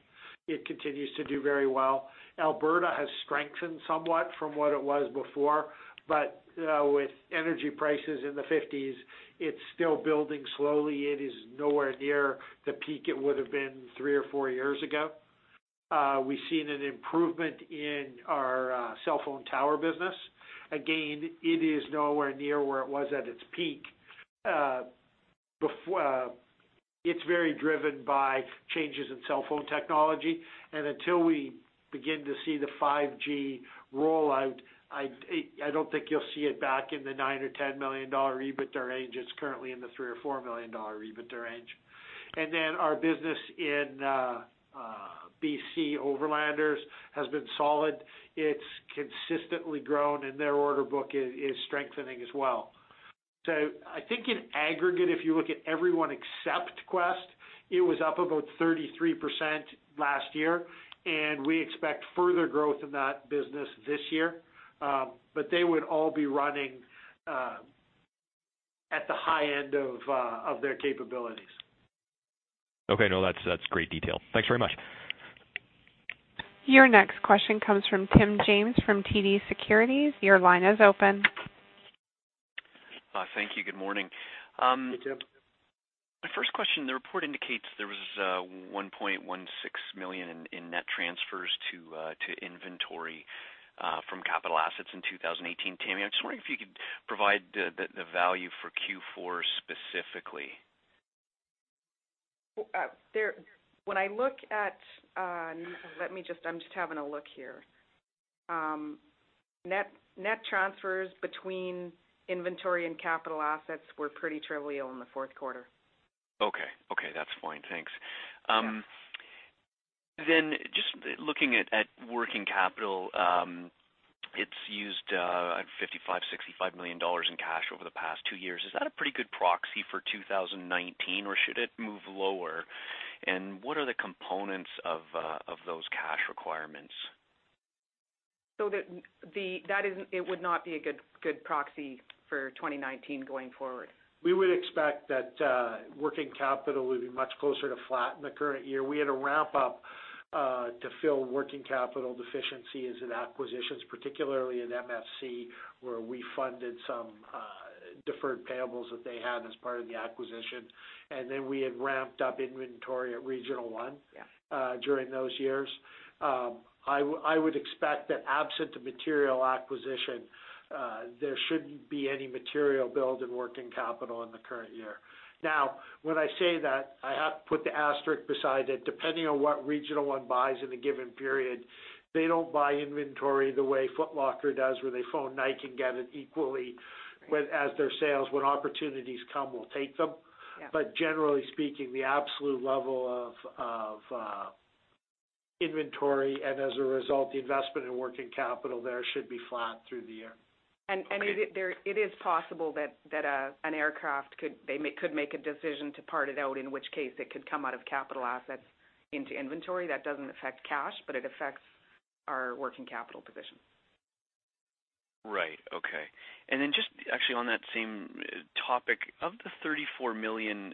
B: it continues to do very well. Alberta has strengthened somewhat from what it was before, but with energy prices in the 50s, it's still building slowly. It is nowhere near the peak it would have been three or four years ago. We've seen an improvement in our cellphone tower business. Again, it is nowhere near where it was at its peak. It's very driven by changes in cellphone technology. Until we begin to see the 5G roll out, I don't think you'll see it back in the 9 million or 10 million dollar EBITDA range. It's currently in the 3 million or 4 million dollar EBITDA range. Then our business in B.C. Overlanders has been solid. It's consistently grown, and their order book is strengthening as well. I think in aggregate, if you look at everyone except Quest, it was up about 33% last year, and we expect further growth in that business this year. They would all be running at the high end of their capabilities.
H: Okay. No, that's great detail. Thanks very much.
A: Your next question comes from Tim James from TD Securities. Your line is open.
I: Thank you. Good morning.
B: Hey, Tim.
I: My first question, the report indicates there was 1.16 million in net transfers to inventory from capital assets in 2018. Tammy, I'm just wondering if you could provide the value for Q4 specifically.
C: When I look at I'm just having a look here. Net transfers between inventory and capital assets were pretty trivial in the fourth quarter.
I: Okay. That's fine. Thanks.
C: Yeah.
I: Just looking at working capital, it's used 55 million dollars, CAD 65 million in cash over the past two years. Is that a pretty good proxy for 2019, or should it move lower? What are the components of those cash requirements?
C: It would not be a good proxy for 2019 going forward.
B: We would expect that working capital would be much closer to flat in the current year. We had a ramp-up to fill working capital deficiencies in acquisitions, particularly in MFC, where we funded some deferred payables that they had as part of the acquisition. Then we had ramped up inventory at Regional One.
C: Yeah
B: During those years. I would expect that absent a material acquisition, there shouldn't be any material build in working capital in the current year. Now, when I say that, I have to put the asterisk beside it. Depending on what Regional One buys in a given period, they don't buy inventory the way Foot Locker does, where they phone Nike and get it equally with as their sales. When opportunities come, we'll take them.
C: Yeah.
B: Generally speaking, the absolute level of inventory, and as a result, the investment in working capital there should be flat through the year.
C: It is possible that an aircraft could make a decision to part it out, in which case it could come out of capital assets into inventory. That doesn't affect cash, but it affects our working capital position.
I: Right. Okay. Just actually on that same topic, of the 34 million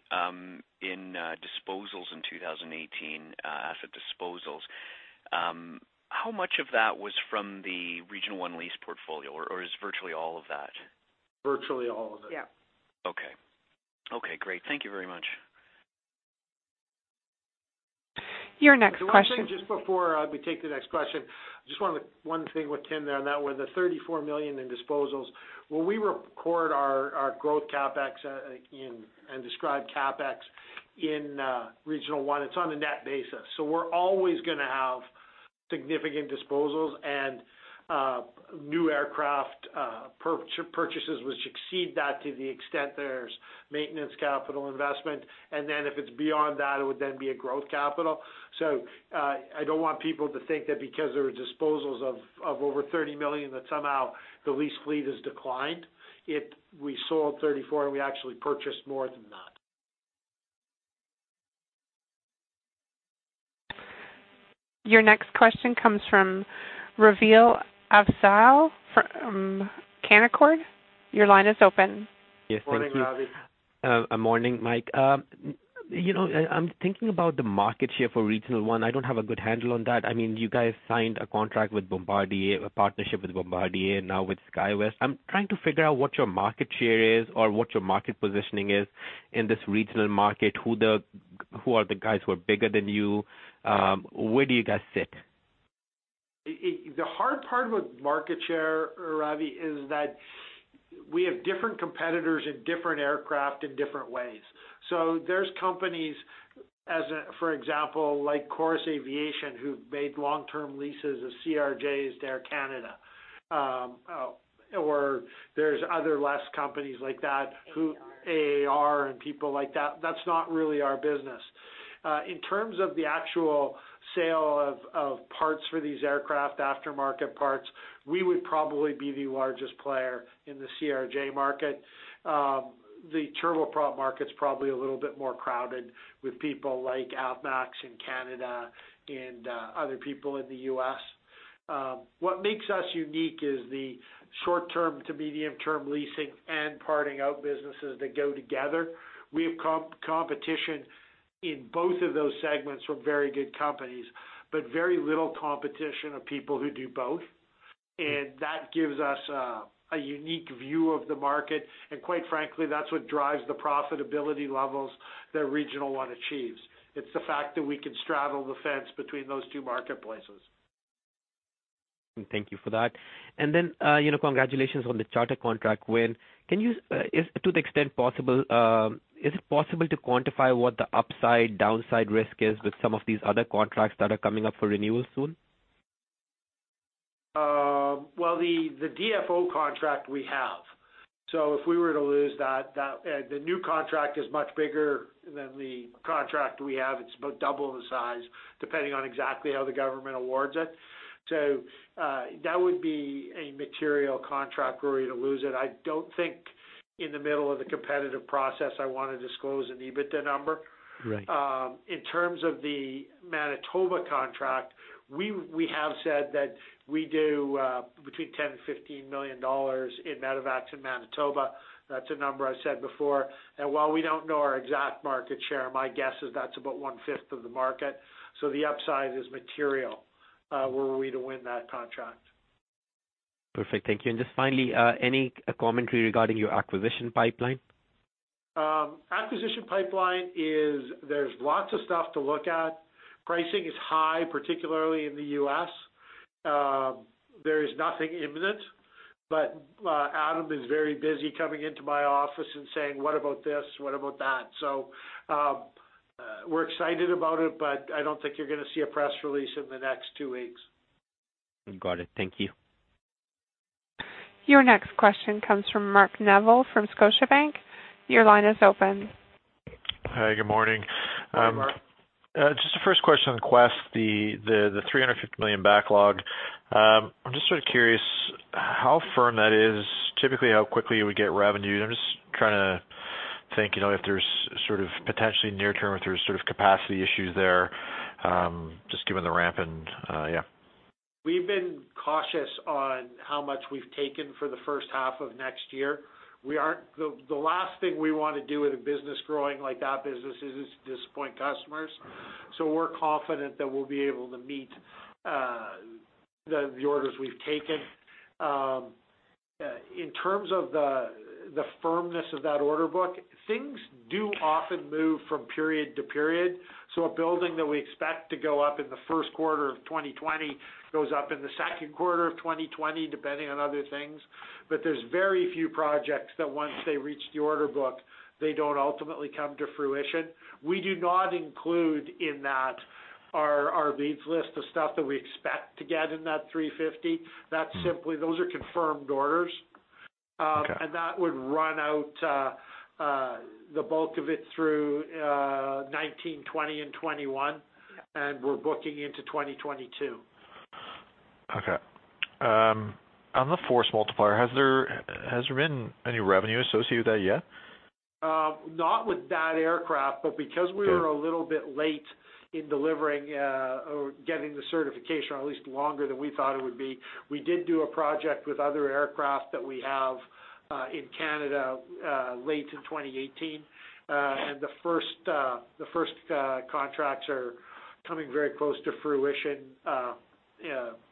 I: in disposals in 2018, asset disposals, how much of that was from the Regional One lease portfolio, or is virtually all of that?
B: Virtually all of it.
C: Yeah.
I: Okay. Okay, great. Thank you very much.
A: Your next question.
B: The one thing, just before we take the next question, just one thing with Tim there, that was the 34 million in disposals. When we record our growth CapEx and describe CapEx in Regional One, it is on a net basis. We are always going to have significant disposals and new aircraft purchases which exceed that to the extent there is maintenance capital investment. Then if it is beyond that, it would then be a growth capital. I don't want people to think that because there are disposals of over 30 million that somehow the lease fleet has declined. We sold 34, and we actually purchased more than that.
A: Your next question comes from Raveel Afzaal from Canaccord. Your line is open.
J: Yes. Thank you.
B: Morning, Raveel.
J: Morning, Mike. I'm thinking about the market share for Regional One. I don't have a good handle on that. You guys signed a contract with Bombardier, a partnership with Bombardier, and now with SkyWest. I'm trying to figure out what your market share is or what your market positioning is in this regional market. Who are the guys who are bigger than you? Where do you guys fit?
B: The hard part with market share, Raveel, is that we have different competitors and different aircraft in different ways. There's companies, for example, like Chorus Aviation, who've made long-term leases of CRJs to Air Canada. There's other less companies like that.
C: AAR
B: AAR and people like that. That's not really our business. In terms of the actual sale of parts for these aircraft, aftermarket parts, we would probably be the largest player in the CRJ market. The turboprop market's probably a little bit more crowded with people like Avmax in Canada and other people in the U.S. What makes us unique is the short-term to medium-term leasing and parting out businesses that go together. We have competition in both of those segments from very good companies, but very little competition of people who do both. That gives us a unique view of the market, and quite frankly, that's what drives the profitability levels that Regional One achieves. It's the fact that we can straddle the fence between those two marketplaces.
J: Thank you for that. Congratulations on the charter contract win. To the extent possible, is it possible to quantify what the upside, downside risk is with some of these other contracts that are coming up for renewal soon?
B: The DFO contract we have. If we were to lose that, the new contract is much bigger than the contract we have. It's about double the size, depending on exactly how the government awards it. That would be a material contract were we to lose it. I don't think in the middle of the competitive process I want to disclose an EBITDA number.
J: Right.
B: In terms of the Manitoba contract, we have said that we do between 10 million and 15 million dollars in medevacs in Manitoba. That's a number I said before. While we don't know our exact market share, my guess is that's about one-fifth of the market. The upside is material were we to win that contract.
J: Perfect. Thank you. Just finally, any commentary regarding your acquisition pipeline?
B: Acquisition pipeline is there's lots of stuff to look at. Pricing is high, particularly in the U.S. There is nothing imminent, Adam is very busy coming into my office and saying, "What about this? What about that?" We're excited about it, but I don't think you're going to see a press release in the next two weeks.
J: Got it. Thank you.
A: Your next question comes from Mark Neville from Scotiabank. Your line is open.
K: Hi. Good morning.
B: Morning, Mark.
K: Just the first question on Quest, the 350 million backlog. I'm just sort of curious how firm that is, typically how quickly we get revenue. I'm just trying to think, if there's sort of potentially near-term, if there's sort of capacity issues there, just given the ramp and, yeah.
B: We've been cautious on how much we've taken for the first half of next year. The last thing we want to do with a business growing like that business is disappoint customers. We're confident that we'll be able to meet the orders we've taken. In terms of the firmness of that order book, things do often move from period to period. A building that we expect to go up in the first quarter of 2020 goes up in the second quarter of 2020, depending on other things. There's very few projects that once they reach the order book, they don't ultimately come to fruition. We do not include in that our leads list of stuff that we expect to get in that 350. Those are confirmed orders.
K: Okay.
B: That would run out, the bulk of it through 2019, 2020, and 2021, and we're booking into 2022.
K: Okay. On the Force Multiplier, has there been any revenue associated with that yet?
B: Not with that aircraft, because we were a little bit late in delivering or getting the certification, or at least longer than we thought it would be, we did do a project with other aircraft that we have in Canada late in 2018. The first contracts are coming very close to fruition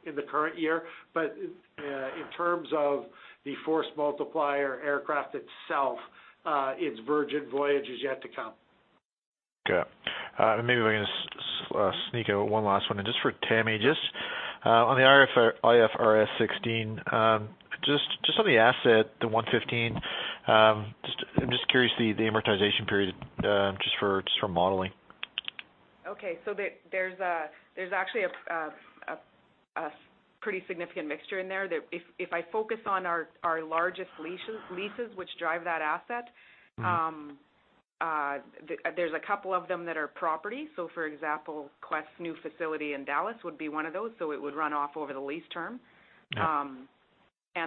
B: in the current year. In terms of the Force Multiplier aircraft itself, its virgin voyage is yet to come.
K: Okay. Maybe if I can just sneak in one last one, and just for Tammy, just on the IFRS 16, just on the asset, the 115, I'm just curious to see the amortization period just for modeling.
C: Okay. There's actually a pretty significant mixture in there. If I focus on our largest leases, which drive that asset- There's a couple of them that are property. For example, Quest's new facility in Dallas would be one of those, it would run off over the lease term.
K: Okay.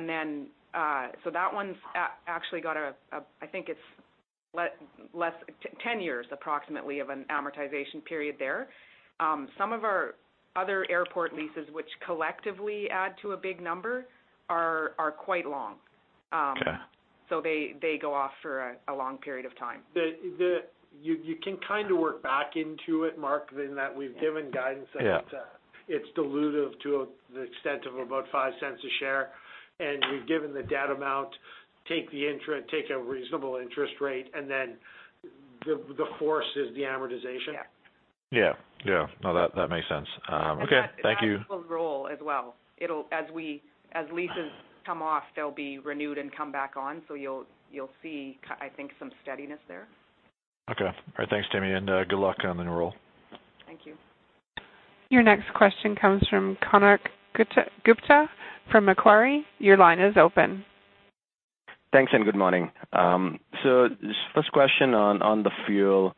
C: That one's actually got a, I think it's less, 10 years approximately of an amortization period there. Some of our other airport leases, which collectively add to a big number, are quite long.
K: Okay.
C: They go off for a long period of time.
B: You can kind of work back into it, Mark, in that we've given guidance-
K: Yeah
B: that it's dilutive to the extent of about 0.05 a share. We've given the debt amount, take a reasonable interest rate, then the focus is the amortization.
C: Yeah.
K: Yeah. No, that makes sense. Okay, thank you.
C: That will roll as well. As leases come off, they'll be renewed and come back on, so you'll see, I think, some steadiness there.
K: Okay. All right. Thanks, Tammy, and good luck on the roll.
C: Thank you.
A: Your next question comes from Konark Gupta from Macquarie. Your line is open.
L: Thanks. Good morning. Just first question on the fuel.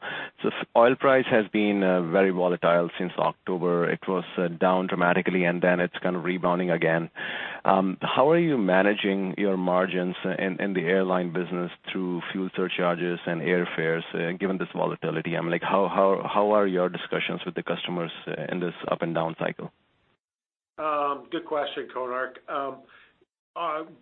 L: Oil price has been very volatile since October. It was down dramatically, then it's kind of rebounding again. How are you managing your margins in the airline business through fuel surcharges and airfares, given this volatility? How are your discussions with the customers in this up and down cycle?
B: Good question, Konark.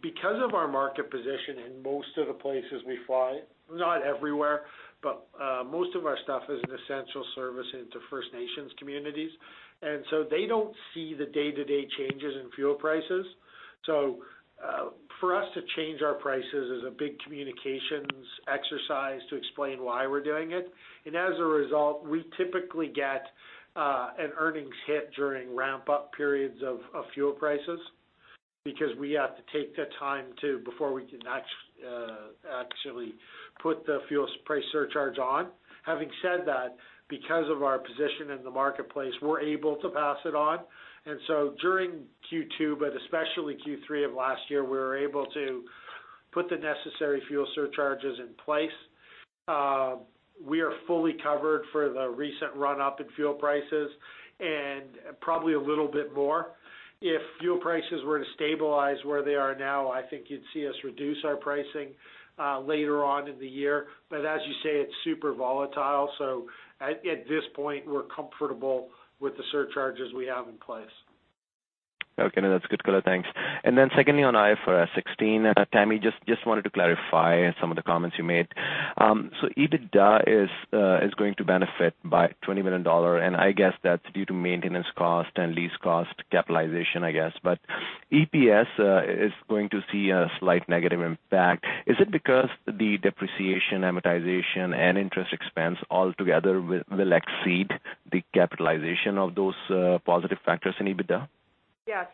B: Because of our market position in most of the places we fly, not everywhere, but most of our stuff is an essential service into First Nations communities. They don't see the day-to-day changes in fuel prices. For us to change our prices is a big communications exercise to explain why we're doing it. As a result, we typically get an earnings hit during ramp-up periods of fuel prices because we have to take the time too before we can actually put the fuel price surcharge on. Having said that, because of our position in the marketplace, we're able to pass it on. During Q2, but especially Q3 of last year, we were able to put the necessary fuel surcharges in place. We are fully covered for the recent run-up in fuel prices and probably a little bit more. If fuel prices were to stabilize where they are now, I think you'd see us reduce our pricing later on in the year. As you say, it's super volatile, at this point, we're comfortable with the surcharges we have in place.
L: Okay, that's good color. Thanks. Secondly, on IFRS 16. Tammy, just wanted to clarify some of the comments you made. EBITDA is going to benefit by 20 million dollar, I guess that's due to maintenance cost and lease cost capitalization, I guess. EPS is going to see a slight negative impact. Is it because the depreciation, amortization, and interest expense all together will exceed the capitalization of those positive factors in EBITDA?
C: Yeah.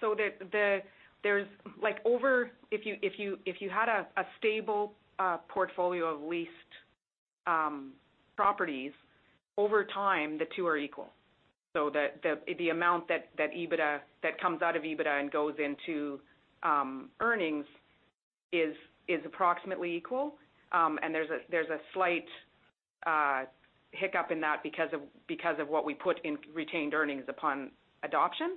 C: If you had a stable portfolio of leased properties, over time, the two are equal. The amount that comes out of EBITDA and goes into earnings is approximately equal. There's a slight hiccup in that because of what we put in retained earnings upon adoption.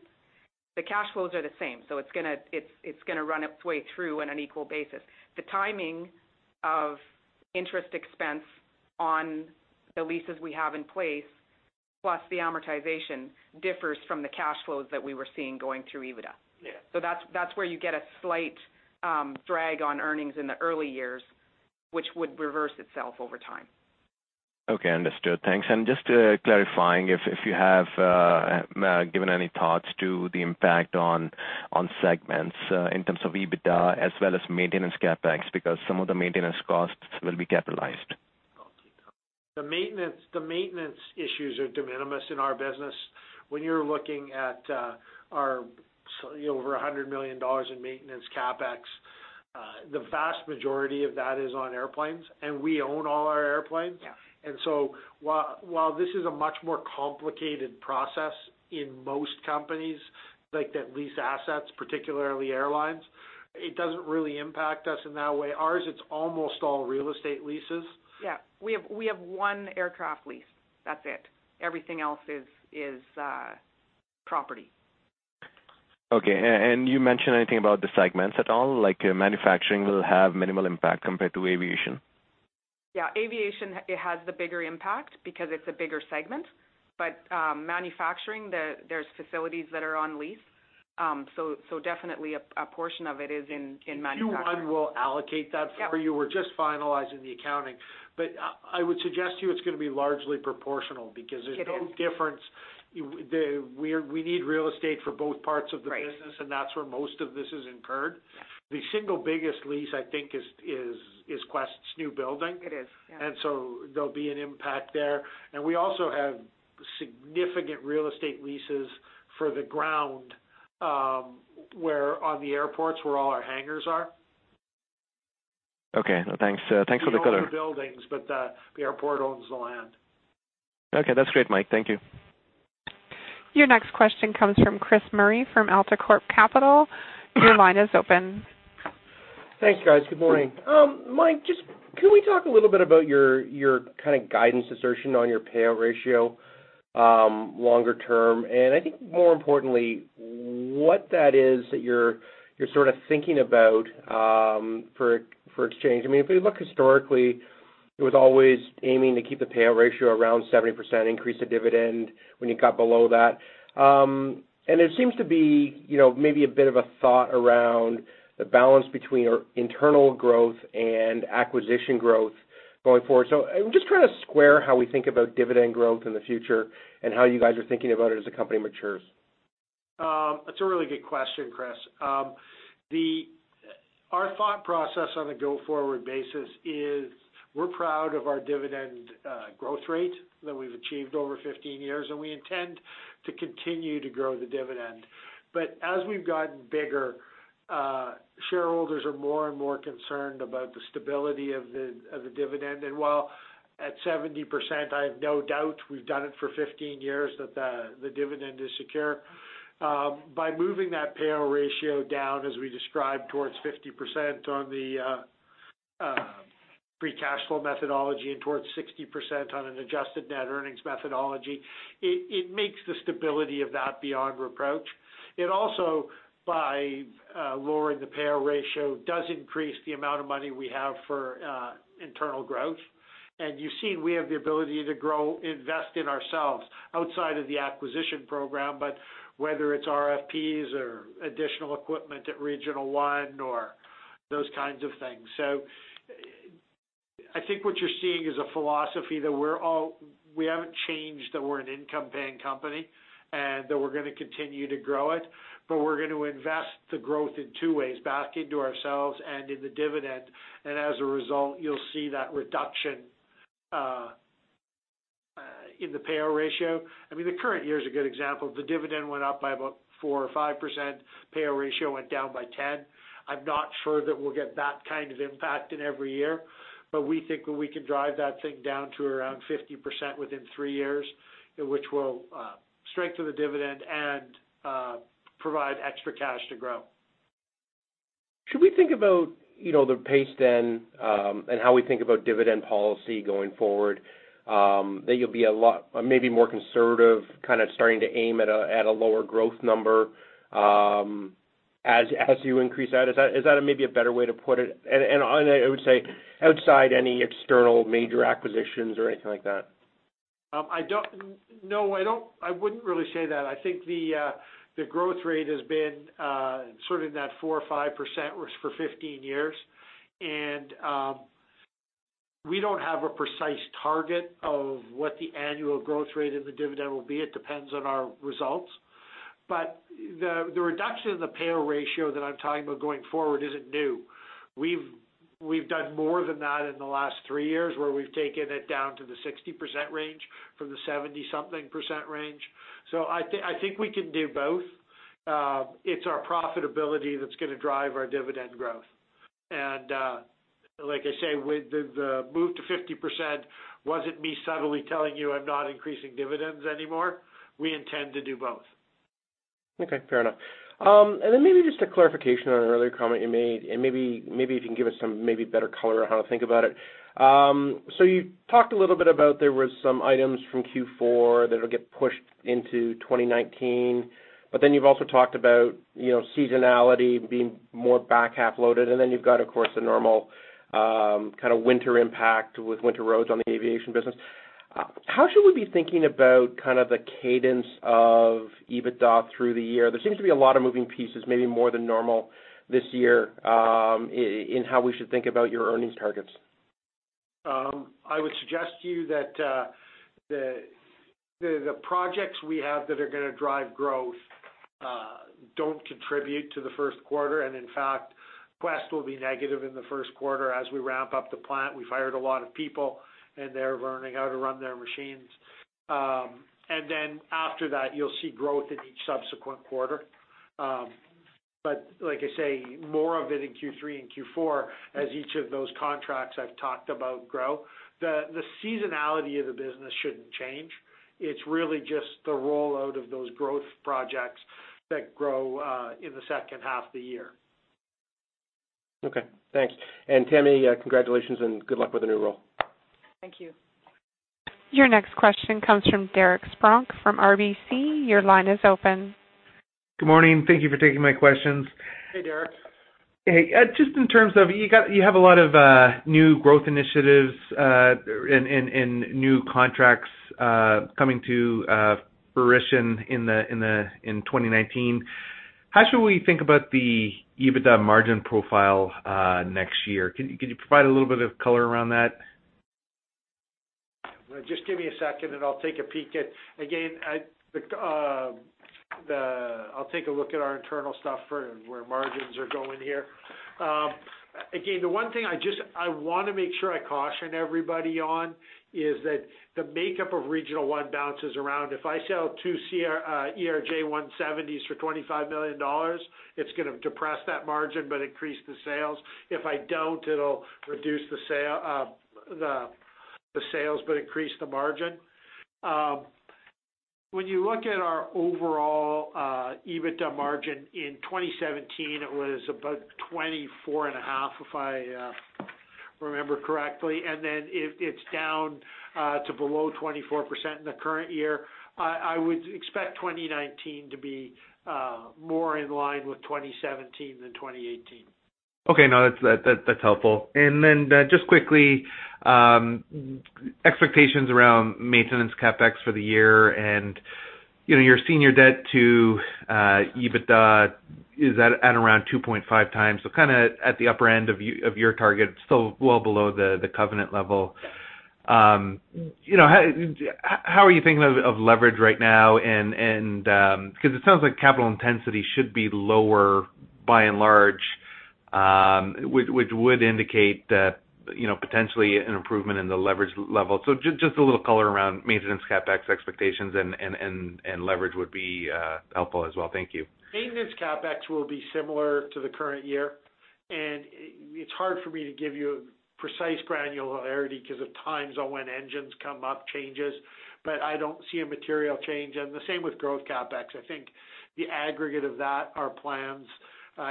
C: The cash flows are the same, it's going to run its way through on an equal basis. The timing of interest expense on the leases we have in place, plus the amortization, differs from the cash flows that we were seeing going through EBITDA.
L: Yeah.
B: That's where you get a slight drag on earnings in the early years, which would reverse itself over time.
L: Okay, understood. Thanks. Just clarifying, if you have given any thoughts to the impact on segments in terms of EBITDA as well as maintenance CapEx, because some of the maintenance costs will be capitalized.
B: The maintenance issues are de minimis in our business. When you're looking at our over 100 million dollars in maintenance CapEx, the vast majority of that is on airplanes, and we own all our airplanes.
L: Yeah.
B: While this is a much more complicated process in most companies like that lease assets, particularly airlines, it doesn't really impact us in that way. Ours, it's almost all real estate leases.
C: We have one aircraft lease. That's it. Everything else is property.
B: You mention anything about the segments at all? Like manufacturing will have minimal impact compared to aviation?
C: Aviation, it has the bigger impact because it's a bigger segment. Manufacturing, there's facilities that are on lease. Definitely a portion of it is in manufacturing.
B: Q1 will allocate that for you.
L: Yep.
B: We're just finalizing the accounting. I would suggest to you it's going to be largely proportional because there's.
C: It is. No difference. We need real estate for both parts of the business.
L: Right
B: That's where most of this is incurred.
C: Yeah. The single biggest lease, I think, is Quest's new building. It is, yeah.
B: There'll be an impact there. We also have significant real estate leases for the ground on the airports where all our hangars are.
L: Okay. No, thanks. Thanks for the color.
B: We own our buildings, but the airport owns the land.
L: Okay. That's great, Mike. Thank you.
A: Your next question comes from Chris Murray from AltaCorp Capital. Your line is open.
M: Thanks, guys. Good morning. Mike, just can we talk a little bit about your kind of guidance assertion on your payout ratio longer term, and I think more importantly, what that is that you're sort of thinking about for Exchange? If we look historically, it was always aiming to keep the payout ratio around 70%, increase the dividend when you got below that. It seems to be maybe a bit of a thought around the balance between internal growth and acquisition growth going forward. I'm just trying to square how we think about dividend growth in the future and how you guys are thinking about it as the company matures.
B: That's a really good question, Chris. Our thought process on a go-forward basis is we're proud of our dividend growth rate that we've achieved over 15 years. We intend to continue to grow the dividend. As we've gotten bigger, shareholders are more and more concerned about the stability of the dividend. While at 70%, I have no doubt, we've done it for 15 years, that the dividend is secure. By moving that payout ratio down, as we described, towards 50% on the free cash flow methodology and towards 60% on an adjusted net earnings methodology, it makes the stability of that beyond reproach. It also, by lowering the payout ratio, does increase the amount of money we have for internal growth. You've seen we have the ability to grow, invest in ourselves outside of the acquisition program, but whether it's RFPs or additional equipment at Regional One or those kinds of things. I think what you're seeing is a philosophy that we haven't changed, that we're an income-paying company, and that we're going to continue to grow it, but we're going to invest the growth in two ways: back into ourselves and in the dividend. As a result, you'll see that reduction in the payout ratio. The current year is a good example. The dividend went up by about 4% or 5%, payout ratio went down by 10%. I'm not sure that we'll get that kind of impact in every year, but we think we can drive that thing down to around 50% within three years, which will strengthen the dividend and provide extra cash to grow.
M: Should we think about the pace then, and how we think about dividend policy going forward, that you'll be maybe more conservative, kind of starting to aim at a lower growth number as you increase that? Is that maybe a better way to put it? I would say outside any external major acquisitions or anything like that.
B: No, I wouldn't really say that. I think the growth rate has been sort of in that 4% or 5% for 15 years. We don't have a precise target of what the annual growth rate of the dividend will be. It depends on our results. The reduction in the payout ratio that I'm talking about going forward isn't new. We've done more than that in the last three years, where we've taken it down to the 60% range from the 70-something percent range. I think we can do both. It's our profitability that's going to drive our dividend growth. Like I say, with the move to 50% wasn't me subtly telling you I'm not increasing dividends anymore. We intend to do both.
M: Fair enough. Maybe just a clarification on an earlier comment you made, maybe you can give us some better color on how to think about it. You talked a little bit about there were some items from Q4 that will get pushed into 2019, but then you have also talked about seasonality being more back-half loaded, and then you have, of course, the normal winter impact with winter roads on the aviation business. How should we be thinking about the cadence of EBITDA through the year? There seems to be a lot of moving pieces, maybe more than normal this year, in how we should think about your earnings targets.
B: I would suggest to you that the projects we have that are going to drive growth do not contribute to the first quarter, in fact, Quest will be negative in the first quarter as we ramp up the plant. We have hired a lot of people, and they are learning how to run their machines. After that, you will see growth in each subsequent quarter. Like I say, more of it in Q3 and Q4 as each of those contracts I have talked about grow. The seasonality of the business should not change. It is really just the rollout of those growth projects that grow in the second half of the year.
M: Thanks. Tammy, congratulations and good luck with the new role.
C: Thank you.
A: Your next question comes from Derek Spronck from RBC. Your line is open.
N: Good morning. Thank you for taking my questions.
B: Hey, Derek.
N: Hey. Just in terms of, you have a lot of new growth initiatives and new contracts coming to fruition in 2019. How should we think about the EBITDA margin profile next year? Can you provide a little bit of color around that?
B: Just give me a second and I'll take a peek at. I'll take a look at our internal stuff for where margins are going here. The one thing I want to make sure I caution everybody on is that the makeup of Regional One bounces around. If I sell two CRJ700s for 25 million dollars, it's going to depress that margin, but increase the sales. If I don't, it'll reduce the sales but increase the margin. When you look at our overall EBITDA margin in 2017, it was about 24.5%, if I remember correctly. Then it's down to below 24% in the current year. I would expect 2019 to be more in line with 2017 than 2018.
N: Okay. No, that's helpful. Then just quickly, expectations around maintenance CapEx for the year and your senior debt to EBITDA is at around 2.5 times. At the upper end of your target, still well below the covenant level. How are you thinking of leverage right now? Because it sounds like capital intensity should be lower by and large, which would indicate that potentially an improvement in the leverage level. Just a little color around maintenance CapEx expectations and leverage would be helpful as well. Thank you.
B: Maintenance CapEx will be similar to the current year. It's hard for me to give you precise granularity because of times on when engines come up changes, but I don't see a material change. The same with growth CapEx. I think the aggregate of that, our plans,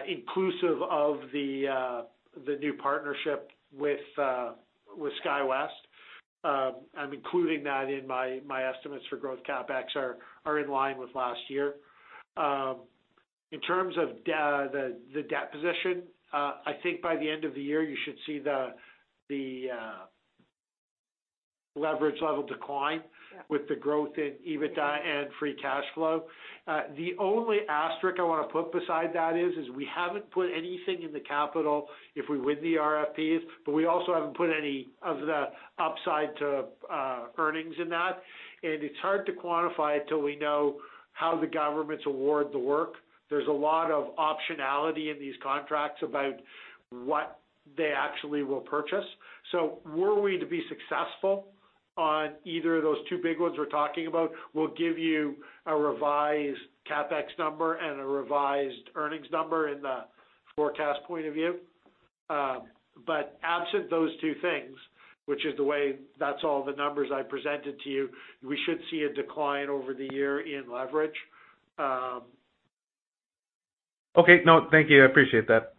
B: inclusive of the new partnership with SkyWest, I'm including that in my estimates for growth CapEx are in line with last year. In terms of the debt position, I think by the end of the year, you should see the leverage level decline with the growth in EBITDA and free cash flow. The only asterisk I want to put beside that is, we haven't put anything in the capital if we win the RFPs, but we also haven't put any of the upside to earnings in that. It's hard to quantify it until we know how the governments award the work. There's a lot of optionality in these contracts about what they actually will purchase. Were we to be successful on either of those two big ones we're talking about, we'll give you a revised CapEx number and a revised earnings number in the forecast point of view. Absent those two things, which is the way that's all the numbers I presented to you, we should see a decline over the year in leverage.
N: Okay. No, thank you. I appreciate that.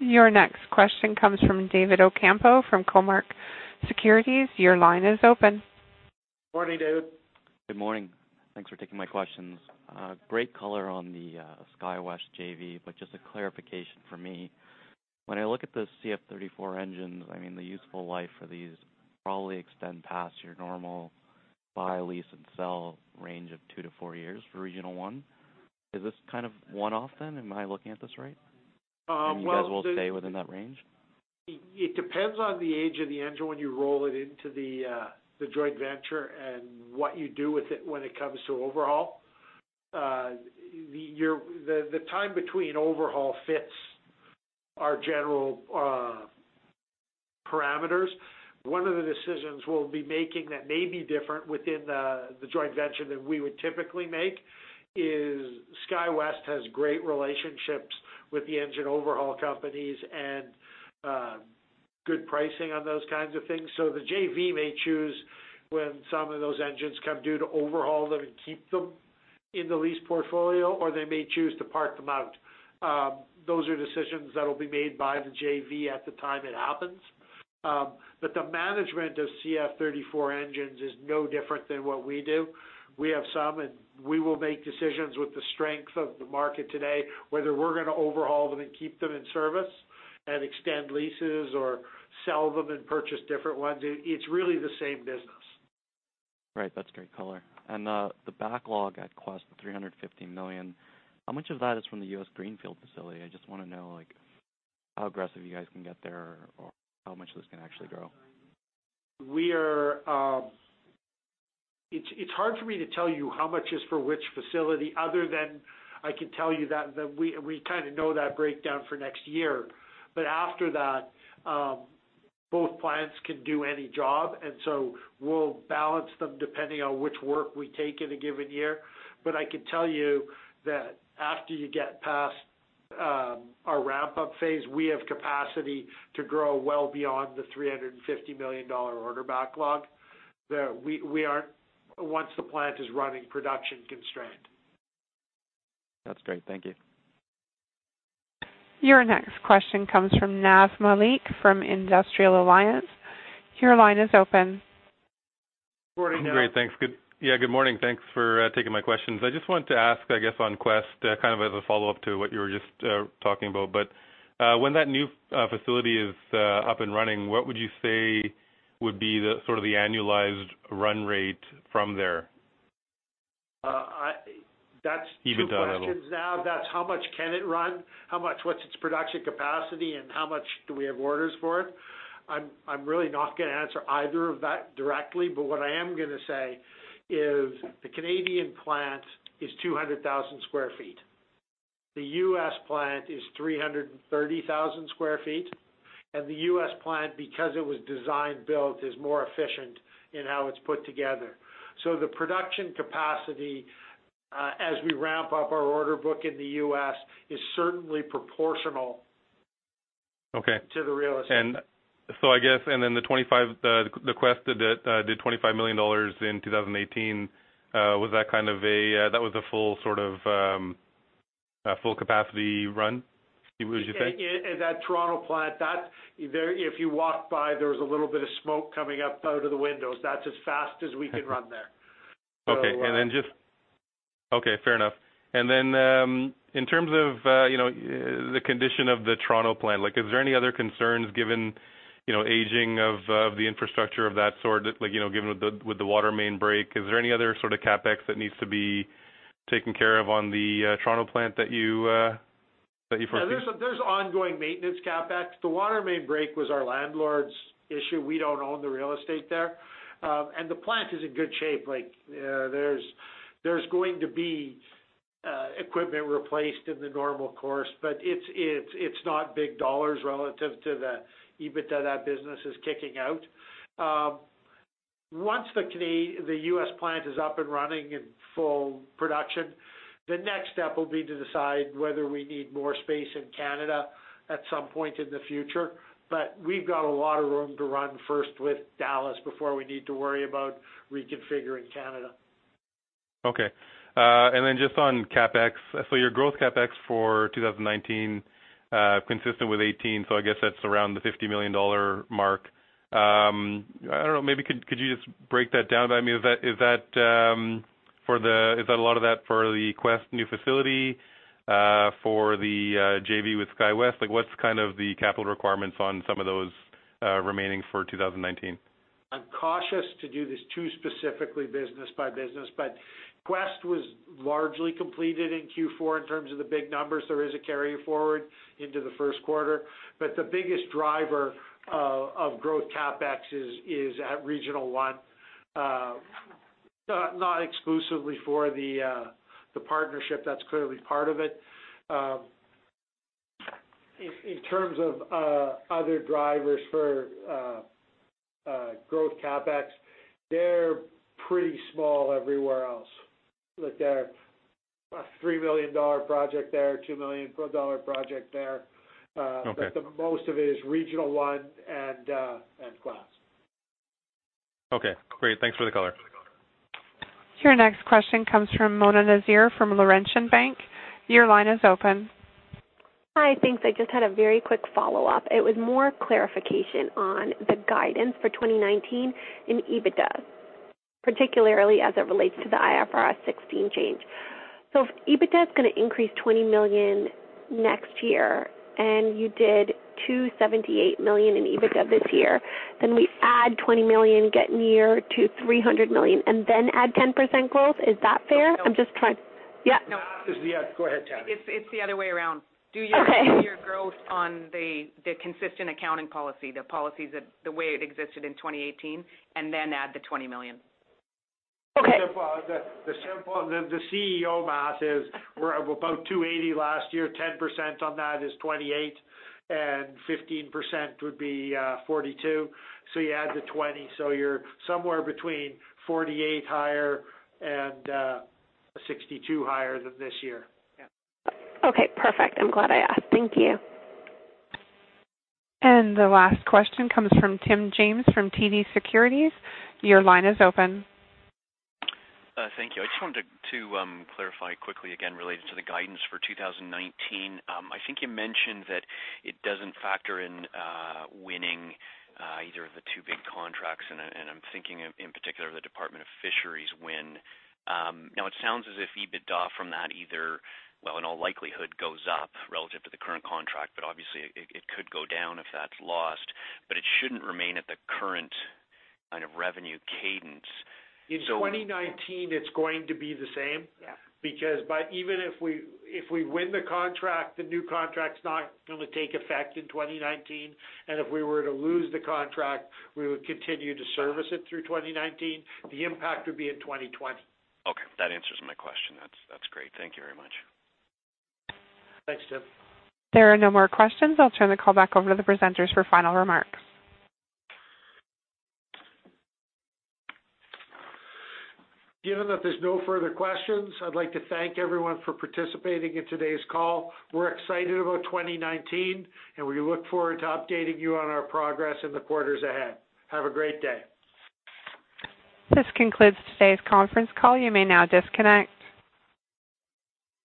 A: Your next question comes from David Ocampo from Cormark Securities. Your line is open.
B: Morning, David.
O: Good morning. Thanks for taking my questions. Great color on the SkyWest JV, just a clarification for me. When I look at the CF34 engines, I mean, the useful life for these probably extend past your normal buy, lease, and sell range of two to four years for Regional One. Is this a one-off then? Am I looking at this right?
B: Well.
O: You guys will stay within that range?
B: It depends on the age of the engine when you roll it into the joint venture and what you do with it when it comes to overhaul. The time between overhaul fits our general parameters. One of the decisions we'll be making that may be different within the joint venture than we would typically make is SkyWest has great relationships with the engine overhaul companies and good pricing on those kinds of things. The JV may choose when some of those engines come due to overhaul them and keep them in the lease portfolio, or they may choose to park them out. Those are decisions that will be made by the JV at the time it happens. The management of CF34 engines is no different than what we do. We have some, we will make decisions with the strength of the market today, whether we're going to overhaul them and keep them in service and extend leases or sell them and purchase different ones. It's really the same business.
O: That's great color. The backlog at Quest, the 350 million, how much of that is from the U.S. Greenfield facility? I just want to know how aggressive you guys can get there or how much of this can actually grow.
B: It's hard for me to tell you how much is for which facility other than I can tell you that we kind of know that breakdown for next year. After that, both plants can do any job, we'll balance them depending on which work we take in a given year. I can tell you that after you get past our ramp-up phase, we have capacity to grow well beyond the 350 million dollar order backlog. Once the plant is running, production constraint.
O: That's great. Thank you.
A: Your next question comes from Naji Malik from Industrial Alliance. Your line is open.
B: Morning, Naj.
P: Great. Thanks. Good morning. Thanks for taking my questions. I just wanted to ask, I guess, on Quest, kind of as a follow-up to what you were just talking about. When that new facility is up and running, what would you say would be the sort of the annualized run rate from there?
B: That is two questions now.
P: Even down a little.
B: That's how much can it run, what's its production capacity, and how much do we have orders for it? I'm really not going to answer either of that directly, but what I am going to say is the Canadian plant is 200,000 square feet. The U.S. plant is 330,000 square feet, and the U.S. plant, because it was design-built, is more efficient in how it's put together. The production capacity, as we ramp up our order book in the U.S., is certainly proportional-
P: Okay
B: to the real estate.
P: The Quest that did 25 million dollars in 2018, that was a full capacity run, would you say?
B: That Toronto plant, if you walked by, there was a little bit of smoke coming up out of the windows. That's as fast as we can run there.
P: Okay, fair enough. In terms of the condition of the Toronto plant, is there any other concerns given aging of the infrastructure of that sort, given with the water main break, is there any other sort of CapEx that needs to be taken care of on the Toronto plant that you foresee?
B: There's ongoing maintenance CapEx. The water main break was our landlord's issue. We don't own the real estate there. The plant is in good shape. There's going to be equipment replaced in the normal course, but it's not big dollars relative to the EBITDA that business is kicking out. Once the U.S. plant is up and running in full production, the next step will be to decide whether we need more space in Canada at some point in the future. We've got a lot of room to run first with Dallas before we need to worry about reconfiguring Canada.
P: Okay. Just on CapEx, your growth CapEx for 2019, consistent with 2018, I guess that's around the 50 million dollar mark. I don't know. Maybe could you just break that down by me? Is a lot of that for the Quest new facility, for the JV with SkyWest? What's the capital requirements on some of those remaining for 2019?
B: I'm cautious to do this too specifically business by business, Quest was largely completed in Q4 in terms of the big numbers. There is a carry forward into the first quarter. The biggest driver of growth CapEx is at Regional One. Not exclusively for the partnership. That's clearly part of it. In terms of other drivers for growth CapEx, they're pretty small everywhere else. There's a 3 million dollar project there, 2 million dollar project there.
P: Okay.
B: The most of it is Regional One and Quest.
P: Okay, great. Thanks for the color.
A: Your next question comes from Mona Nazir from Laurentian Bank. Your line is open.
F: Hi. Thanks. I just had a very quick follow-up. It was more clarification on the guidance for 2019 in EBITDA, particularly as it relates to the IFRS 16 change. If EBITDA is going to increase 20 million next year and you did 278 million in EBITDA this year, then we add 20 million, get near to 300 million, and then add 10% growth. Is that fair? I'm just trying.
B: Yeah. Go ahead, Tammy.
C: It's the other way around. Okay. Do your growth on the consistent accounting policy, the policies, the way it existed in 2018, and then add the 20 million.
F: Okay.
B: The CEO math is, we're above 280 last year, 10% on that is 28, and 15% would be 42. You add the 20, so you're somewhere between 48 higher and 62 higher than this year.
F: Okay, perfect. I'm glad I asked. Thank you.
A: The last question comes from Tim James from TD Securities. Your line is open.
I: Thank you. I just wanted to clarify quickly, again related to the guidance for 2019. I think you mentioned that it doesn't factor in winning either of the two big contracts, and I'm thinking in particular the Department of Fisheries win. It sounds as if EBITDA from that either, well, in all likelihood, goes up relative to the current contract, but obviously it could go down if that's lost. It shouldn't remain at the current kind of revenue cadence.
B: In 2019, it's going to be the same.
C: Yeah. Even if we win the contract, the new contract's not going to take effect in 2019, and if we were to lose the contract, we would continue to service it through 2019. The impact would be in 2020.
I: Okay. That answers my question. That's great. Thank you very much.
B: Thanks, Tim.
A: There are no more questions. I'll turn the call back over to the presenters for final remarks.
B: Given that there's no further questions, I'd like to thank everyone for participating in today's call. We're excited about 2019, and we look forward to updating you on our progress in the quarters ahead. Have a great day.
A: This concludes today's conference call. You may now disconnect.